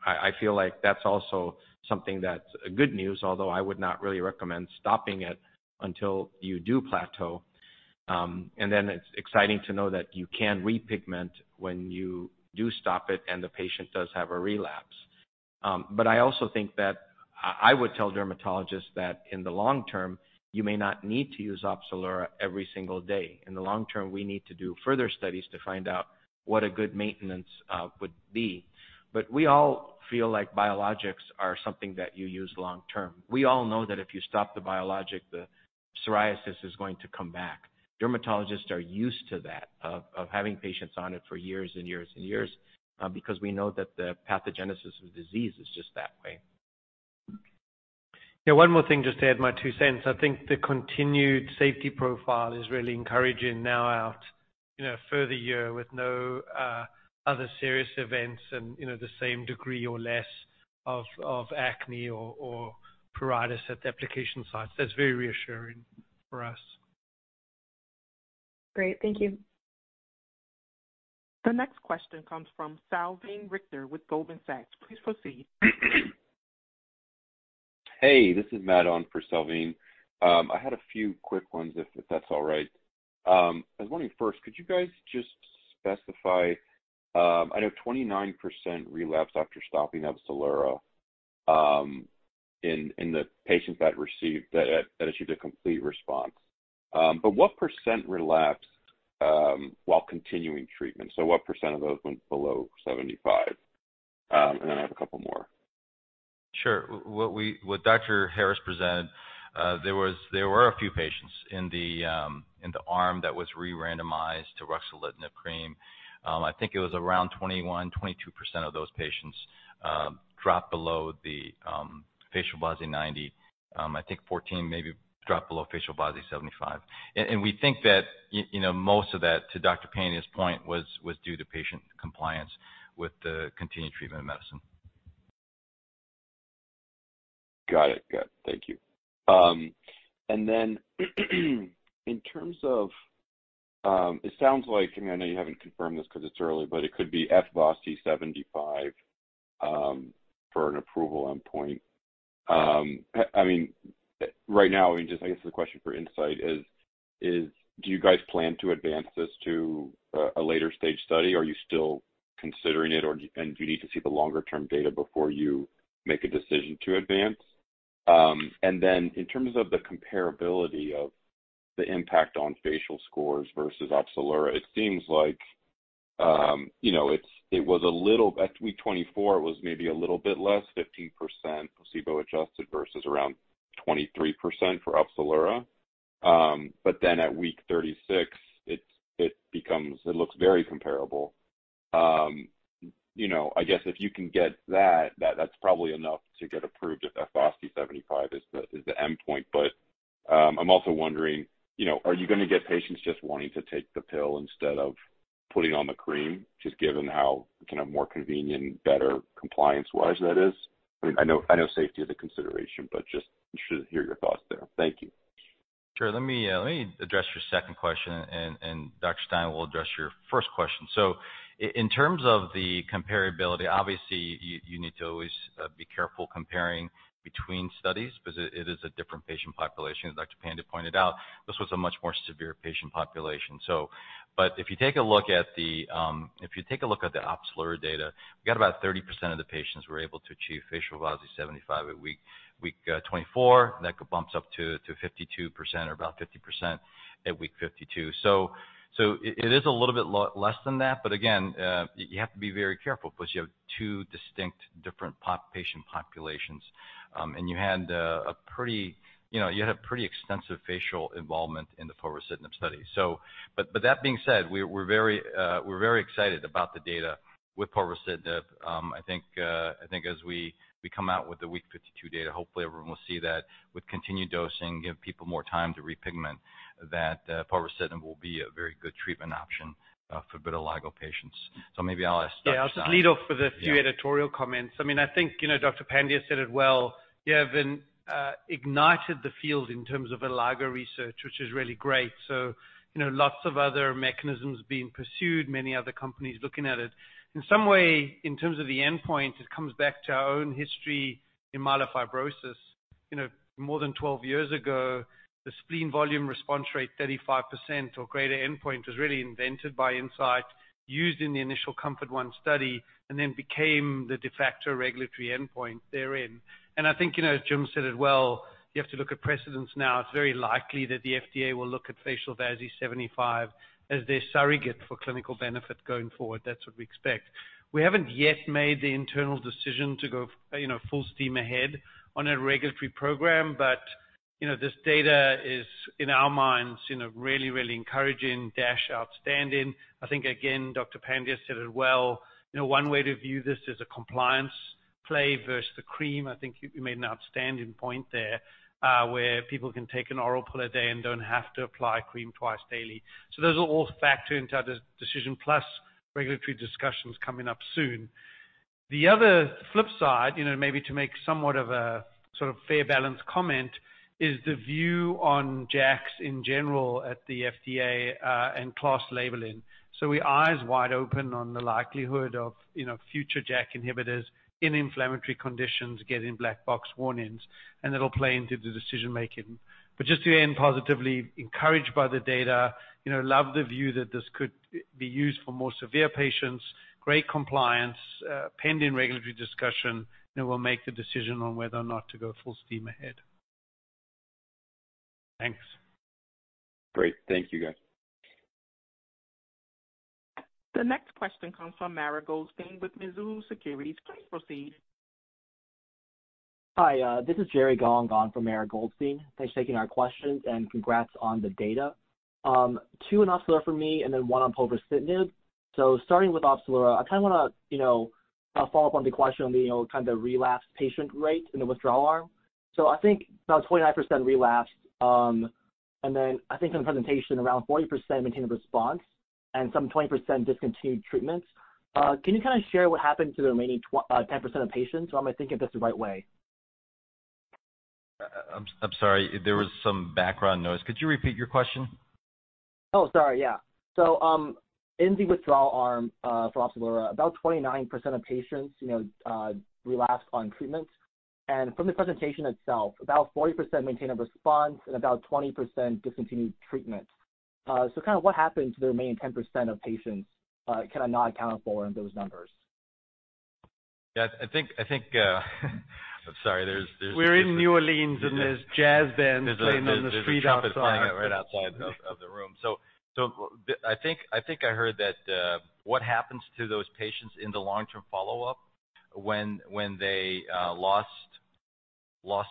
I feel like that's also something that's good news, although I would not really recommend stopping it until you do plateau. Then it's exciting to know that you can repigment when you do stop it and the patient does have a relapse. I also think that I would tell dermatologists that in the long term, you may not need to use Opzelura every single day. In the long term, we need to do further studies to find out what a good maintenance would be. We all feel like biologics are something that you use long term. We all know that if you stop the biologic, the psoriasis is going to come back. Dermatologists are used to that, of having patients on it for years and years and years, because we know that the pathogenesis of the disease is just that way.
Yeah. One more thing, just to add my two cents. I think the continued safety profile is really encouraging now out, you know, a further year with no other serious events and, you know, the same degree or less of acne or pruritus at the application sites. That's very reassuring for us.
Great. Thank you.
The next question comes from Salveen Richter with Goldman Sachs. Please proceed.
This is [Madon] for Salveen. I had a few quick ones if that's all right. I was wondering first, could you guys just specify. I know 29% relapsed after stopping Opzelura, in the patients that achieved a complete response. What percent relapsed while continuing treatment? What percent of those went below 75? I have a couple more.
Sure. What Dr. Harris presented, there were a few patients in the arm that was re-randomized to ruxolitinib cream. I think it was around 21%, 22% of those patients dropped below the facial F-VASI90. I think 14 maybe dropped below facial F-VASI75. We think that, you know, most of that, to Dr. Pandya's point, was due to patient compliance with the continued treatment of medicine.
Got it. Got it. Thank you. In terms of, it sounds like, and I know you haven't confirmed this 'cause it's early, but it could be F-VASI75 for an approval endpoint. I mean, right now, I mean, just I guess the question for Incyte is, do you guys plan to advance this to a later stage study? Are you still considering it or do you need to see the longer term data before you make a decision to advance? In terms of the comparability of the impact on facial scores versus Opzelura, it seems like, you know, it was a little. At week 24, it was maybe a little bit less, 15% placebo-adjusted versus around 23% for Opzelura. At week 36, it becomes, it looks very comparable. you know, I guess if you can get that's probably enough to get approved if F-VASI75 is the endpoint. I'm also wondering, you know, are you gonna get patients just wanting to take the pill instead of putting on the cream, just given how, you know, more convenient and better compliance-wise that is? I mean, I know safety is a consideration, but just interested to hear your thoughts there. Thank you.
Sure. Let me address your second question, and Dr. Steven Stein will address your first question. In terms of the comparability, obviously you need to always be careful comparing between studies because it is a different patient population as Dr. Pandya pointed out. This was a much more severe patient population. If you take a look at the Opzelura data, we got about 30% of the patients were able to achieve facial VASI 75 at week 24. That bumps up to 52% or about 50% at week 52. It is a little bit less than that. Again, you have to be very careful 'cause you have two distinct different patient populations. You had a pretty. You know, you had a pretty extensive facial involvement in the povorcitinib study. But that being said, we're very excited about the data with povorcitinib. I think as we come out with the week 52 data, hopefully everyone will see that with continued dosing, give people more time to repigment, that povorcitinib will be a very good treatment option for vitiligo patients. Maybe I'll ask Dr. Stein.
I'll just lead off with a few editorial comments. I mean, I think, you know, Dr. Pandya said it well. You have ignited the field in terms of vitiligo research, which is really great. You know, lots of other mechanisms being pursued, many other companies looking at it. In some way, in terms of the endpoint, it comes back to our own history in myelofibrosis. You know, more than 12 years ago, the spleen volume response rate 35% or greater endpoint was really invented by Incyte, used in the initial COMFORT-I study and then became the de facto regulatory endpoint therein. I think, you know, as Jim said it well, you have to look at precedents now. It's very likely that the FDA will look at facial VASI 75 as their surrogate for clinical benefit going forward. That's what we expect. We haven't yet made the internal decision to go, you know, full steam ahead on a regulatory program. You know, this data is, in our minds, you know, really, really encouraging, dash outstanding. I think, again, Dr. Pandya said it well. You know, one way to view this is a compliance play versus the cream. I think you made an outstanding point there where people can take an oral pill a day and don't have to apply cream twice daily. Those will all factor into our de-decision, plus regulatory discussions coming up soon. The other flip side, you know, maybe to make somewhat of a sort of fair, balanced comment is the view on JAKs in general at the FDA and class labeling. We eyes wide open on the likelihood of, you know, future JAK inhibitors in inflammatory conditions getting black box warnings, and that'll play into the decision-making. Just to end positively, encouraged by the data. You know, love the view that this could be used for more severe patients. Great compliance. Pending regulatory discussion, we'll make the decision on whether or not to go full steam ahead. Thanks.
Great. Thank you, guys.
The next question comes from Mara Goldstein with Mizuho Securities. Please proceed.
Hi, this is Jerry Gongon from Mara Goldstein. Thanks for taking our questions, congrats on the data. Two on Opzelura for me and then one on povorcitinib. Starting with Opzelura, I kinda wanna, you know, follow up on the question on the, you know, kind of relapse patient rate in the withdrawal arm. I think about 29% relapsed. Then I think in the presentation, around 40% maintained a response and some 20% discontinued treatments. Can you kinda share what happened to the remaining 10% of patients, or am I thinking of this the right way?
I'm sorry. There was some background noise. Could you repeat your question?
Oh, sorry. Yeah. In the withdrawal arm, for Opzelura, about 29% of patients, you know, relapsed on treatment. From the presentation itself, about 40% maintained a response and about 20% discontinued treatment. Kinda what happened to the remaining 10% of patients, kinda not accounted for in those numbers?
Yeah. I think, I'm sorry.
We're in New Orleans, and there's jazz bands playing on the street outside.
There's a trumpet playing out right outside of the room. I think I heard that what happens to those patients in the long-term follow-up when they lost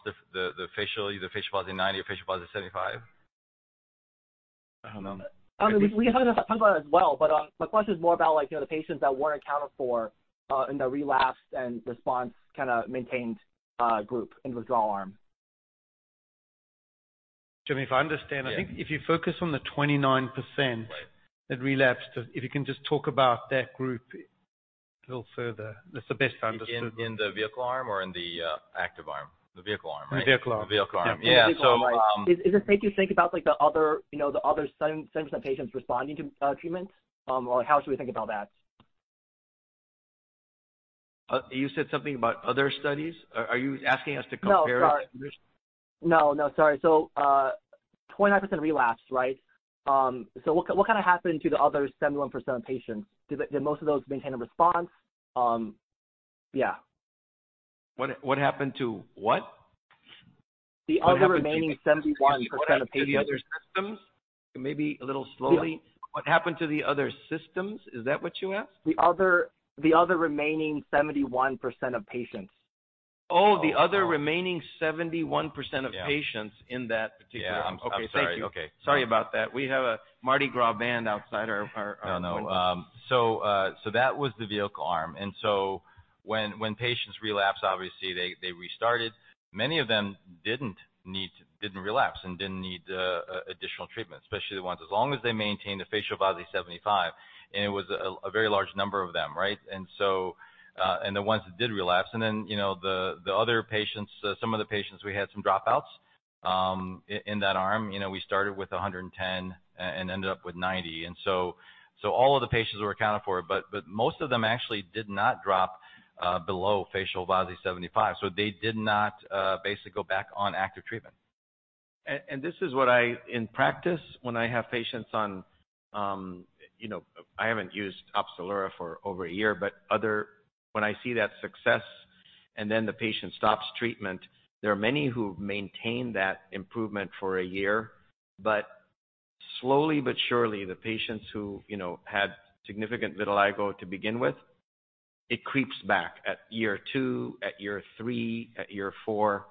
the facial, either facial VASI 90 or facial VASI 75? I don't know.
we can talk about it as well, but, my question is more about like, you know, the patients that weren't accounted for, in the relapsed and response kinda maintained, group in withdrawal arm.
Jim, if I understand-
Yeah.
I think if you focus on the 29%.
Right.
that relapsed, if you can just talk about that group a little further. That's the best I understood the.
In the vehicle arm or in the active arm? The vehicle arm, right?
The vehicle arm.
The vehicle arm. Yeah.
The vehicle arm, right. Is it safe to think about like the other, you know, the other 70% of patients responding to treatments? How should we think about that?
You said something about other studies. Are you asking us to compare-?
No. Sorry.
the two?
No, no. Sorry. 29% relapsed, right? What kinda happened to the other 71% of patients? Did most of those maintain a response? Yeah.
What happened to what?
The other remaining 71% of patients.
What happened to the other systems? Maybe a little slowly.
Yeah.
What happened to the other systems? Is that what you asked?
The other remaining 71% of patients.
Oh.
Oh, the other remaining 71%.
Yeah.
of patients in that particular-
Yeah. I'm sorry.
Okay. Thank you.
Okay.
Sorry about that. We have a Mardi Gras band outside our window.
No. No. That was the vehicle arm. When patients relapse, obviously they restarted. Many of them didn't relapse and didn't need additional treatment, especially the ones... As long as they maintain the facial VASI 75, and it was a very large number of them, right? The ones that did relapse, and then, you know, the other patients, some of the patients, we had some dropouts. In that arm, you know, we started with 110 and ended up with 90. All of the patients were accounted for, but most of them actually did not drop below facial VASI 75. They did not basically go back on active treatment.
This is what I in practice when I have patients on, you know, I haven't used Opzelura for over a year, when I see that success and then the patient stops treatment, there are many who maintain that improvement for a year. Slowly but surely, the patients who, you know, had significant vitiligo to begin with, it creeps back at year two, at year three, at year four.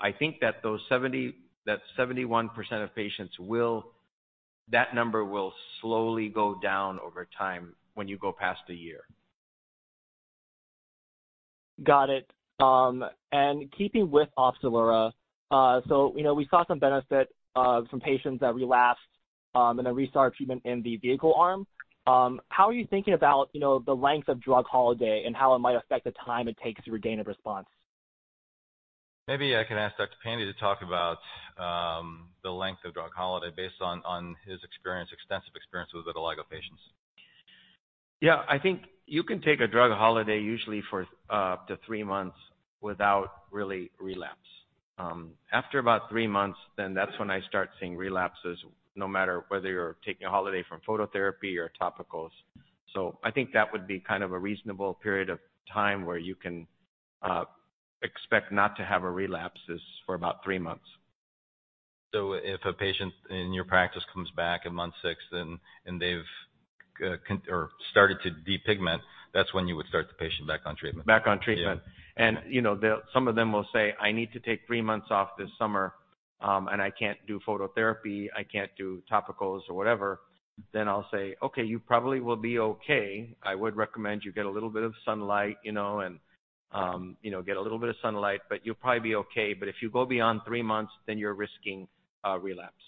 I think that that 71% of patients will that number will slowly go down over time when you go past a year.
Got it. Keeping with Opzelura, you know, we saw some benefit, from patients that relapsed, then restart treatment in the vehicle arm. How are you thinking about, you know, the length of drug holiday and how it might affect the time it takes to regain a response?
Maybe I can ask Dr. Pandya to talk about the length of drug holiday based on his experience, extensive experience with vitiligo patients.
Yeah. I think you can take a drug holiday usually for up to three months without really relapse. After about three months, then that's when I start seeing relapses, no matter whether you're taking a holiday from phototherapy or topicals. I think that would be kind of a reasonable period of time where you can expect not to have a relapses for about three months.
If a patient in your practice comes back in month six and they've started to depigment, that's when you would start the patient back on treatment.
Back on treatment.
Yeah.
You know, some of them will say, "I need to take three months off this summer, and I can't do phototherapy, I can't do topicals or whatever." I'll say, "Okay, you probably will be okay. I would recommend you get a little bit of sunlight, you know, and, you know, get a little bit of sunlight, but you'll probably be okay. If you go beyond three months, then you're risking relapse.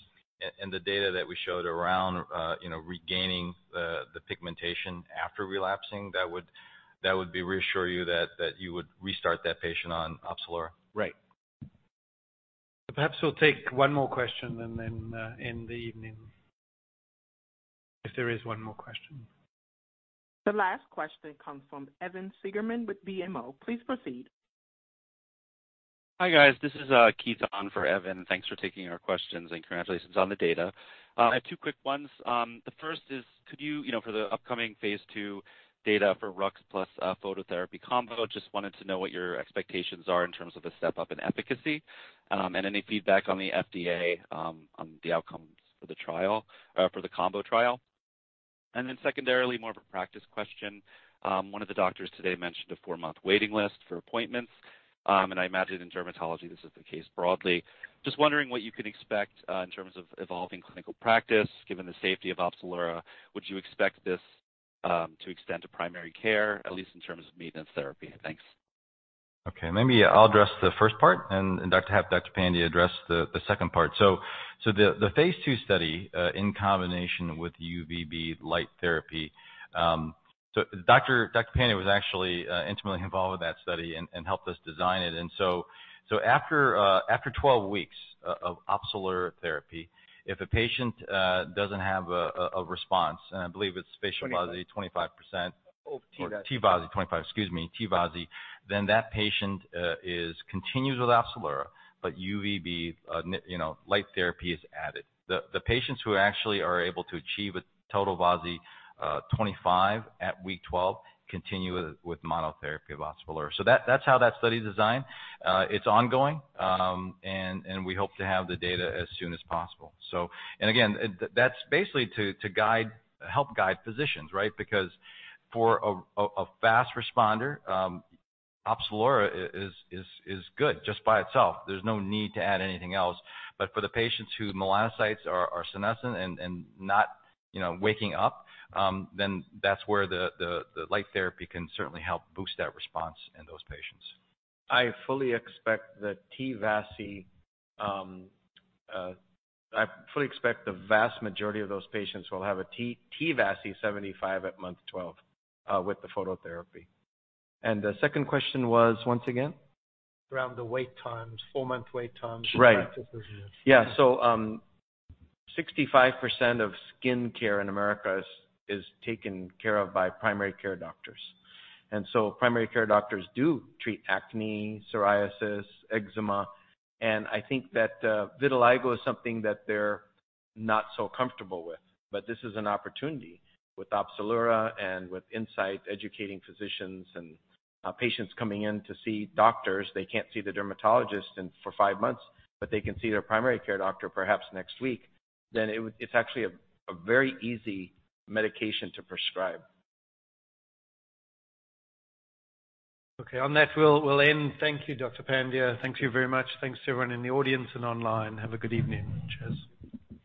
The data that we showed around, you know, regaining the pigmentation after relapsing, that would be reassure you that you would restart that patient on Opzelura.
Right.
Perhaps we'll take one more question and then end the evening. If there is one more question.
The last question comes from Evan Seigerman with BMO. Please proceed.
Hi, guys. This is Keith Bachman on for Evan. Thanks for taking our questions, and congratulations on the data. I have two quick ones. The first is could you, for the upcoming phase II data for RUXO + phototherapy combo, just wanted to know what your expectations are in terms of the step up in efficacy, and any feedback on the FDA on the outcomes for the combo trial. Secondarily, more of a practice question. One of the doctors today mentioned a four-month waiting list for appointments. I imagine in dermatology this is the case broadly. Just wondering what you can expect in terms of evolving clinical practice given the safety of Opzelura. Would you expect this to extend to primary care, at least in terms of maintenance therapy? Thanks.
Okay. Maybe I'll address the first part and Dr. Pandya address the second part. The phase II study in combination with UVB light therapy. Dr. Pandya was actually intimately involved with that study and helped us design it. After 12 weeks of Opzelura therapy, if a patient doesn't have a response, and I believe it's facial VASI- Twenty-five ...25%.
Oh, T-VASI.
T-VASI25. Excuse me. T-VASI. That patient is continues with Opzelura, but UVB, you know, light therapy is added. The patients who actually are able to achieve a total VASI 25 at week 12 continue with monotherapy of Opzelura. That's how that study is designed. It's ongoing. And we hope to have the data as soon as possible. Again, that's basically to help guide physicians, right? For a fast responder, Opzelura is good just by itself. There's no need to add anything else. For the patients whose melanocytes are senescent and not, you know, waking up, that's where the light therapy can certainly help boost that response in those patients.
I fully expect the T-VASI, I fully expect the vast majority of those patients will have a T-VASI75 at month 12, with the phototherapy. The second question was, once again?
Around the wait times, four-month wait times.
Right
...in practices.
65% of skin care in America is taken care of by primary care doctors. Primary care doctors do treat acne, psoriasis, eczema. I think that vitiligo is something that they're not so comfortable with. This is an opportunity with Opzelura and with Incyte educating physicians and patients coming in to see doctors. They can't see the dermatologist in for 5 months, but they can see their primary care doctor perhaps next week. It's actually a very easy medication to prescribe.
Okay. On that, we'll end. Thank you, Dr. Pandya. Thank you very much. Thanks to everyone in the audience and online. Have a good evening. Cheers.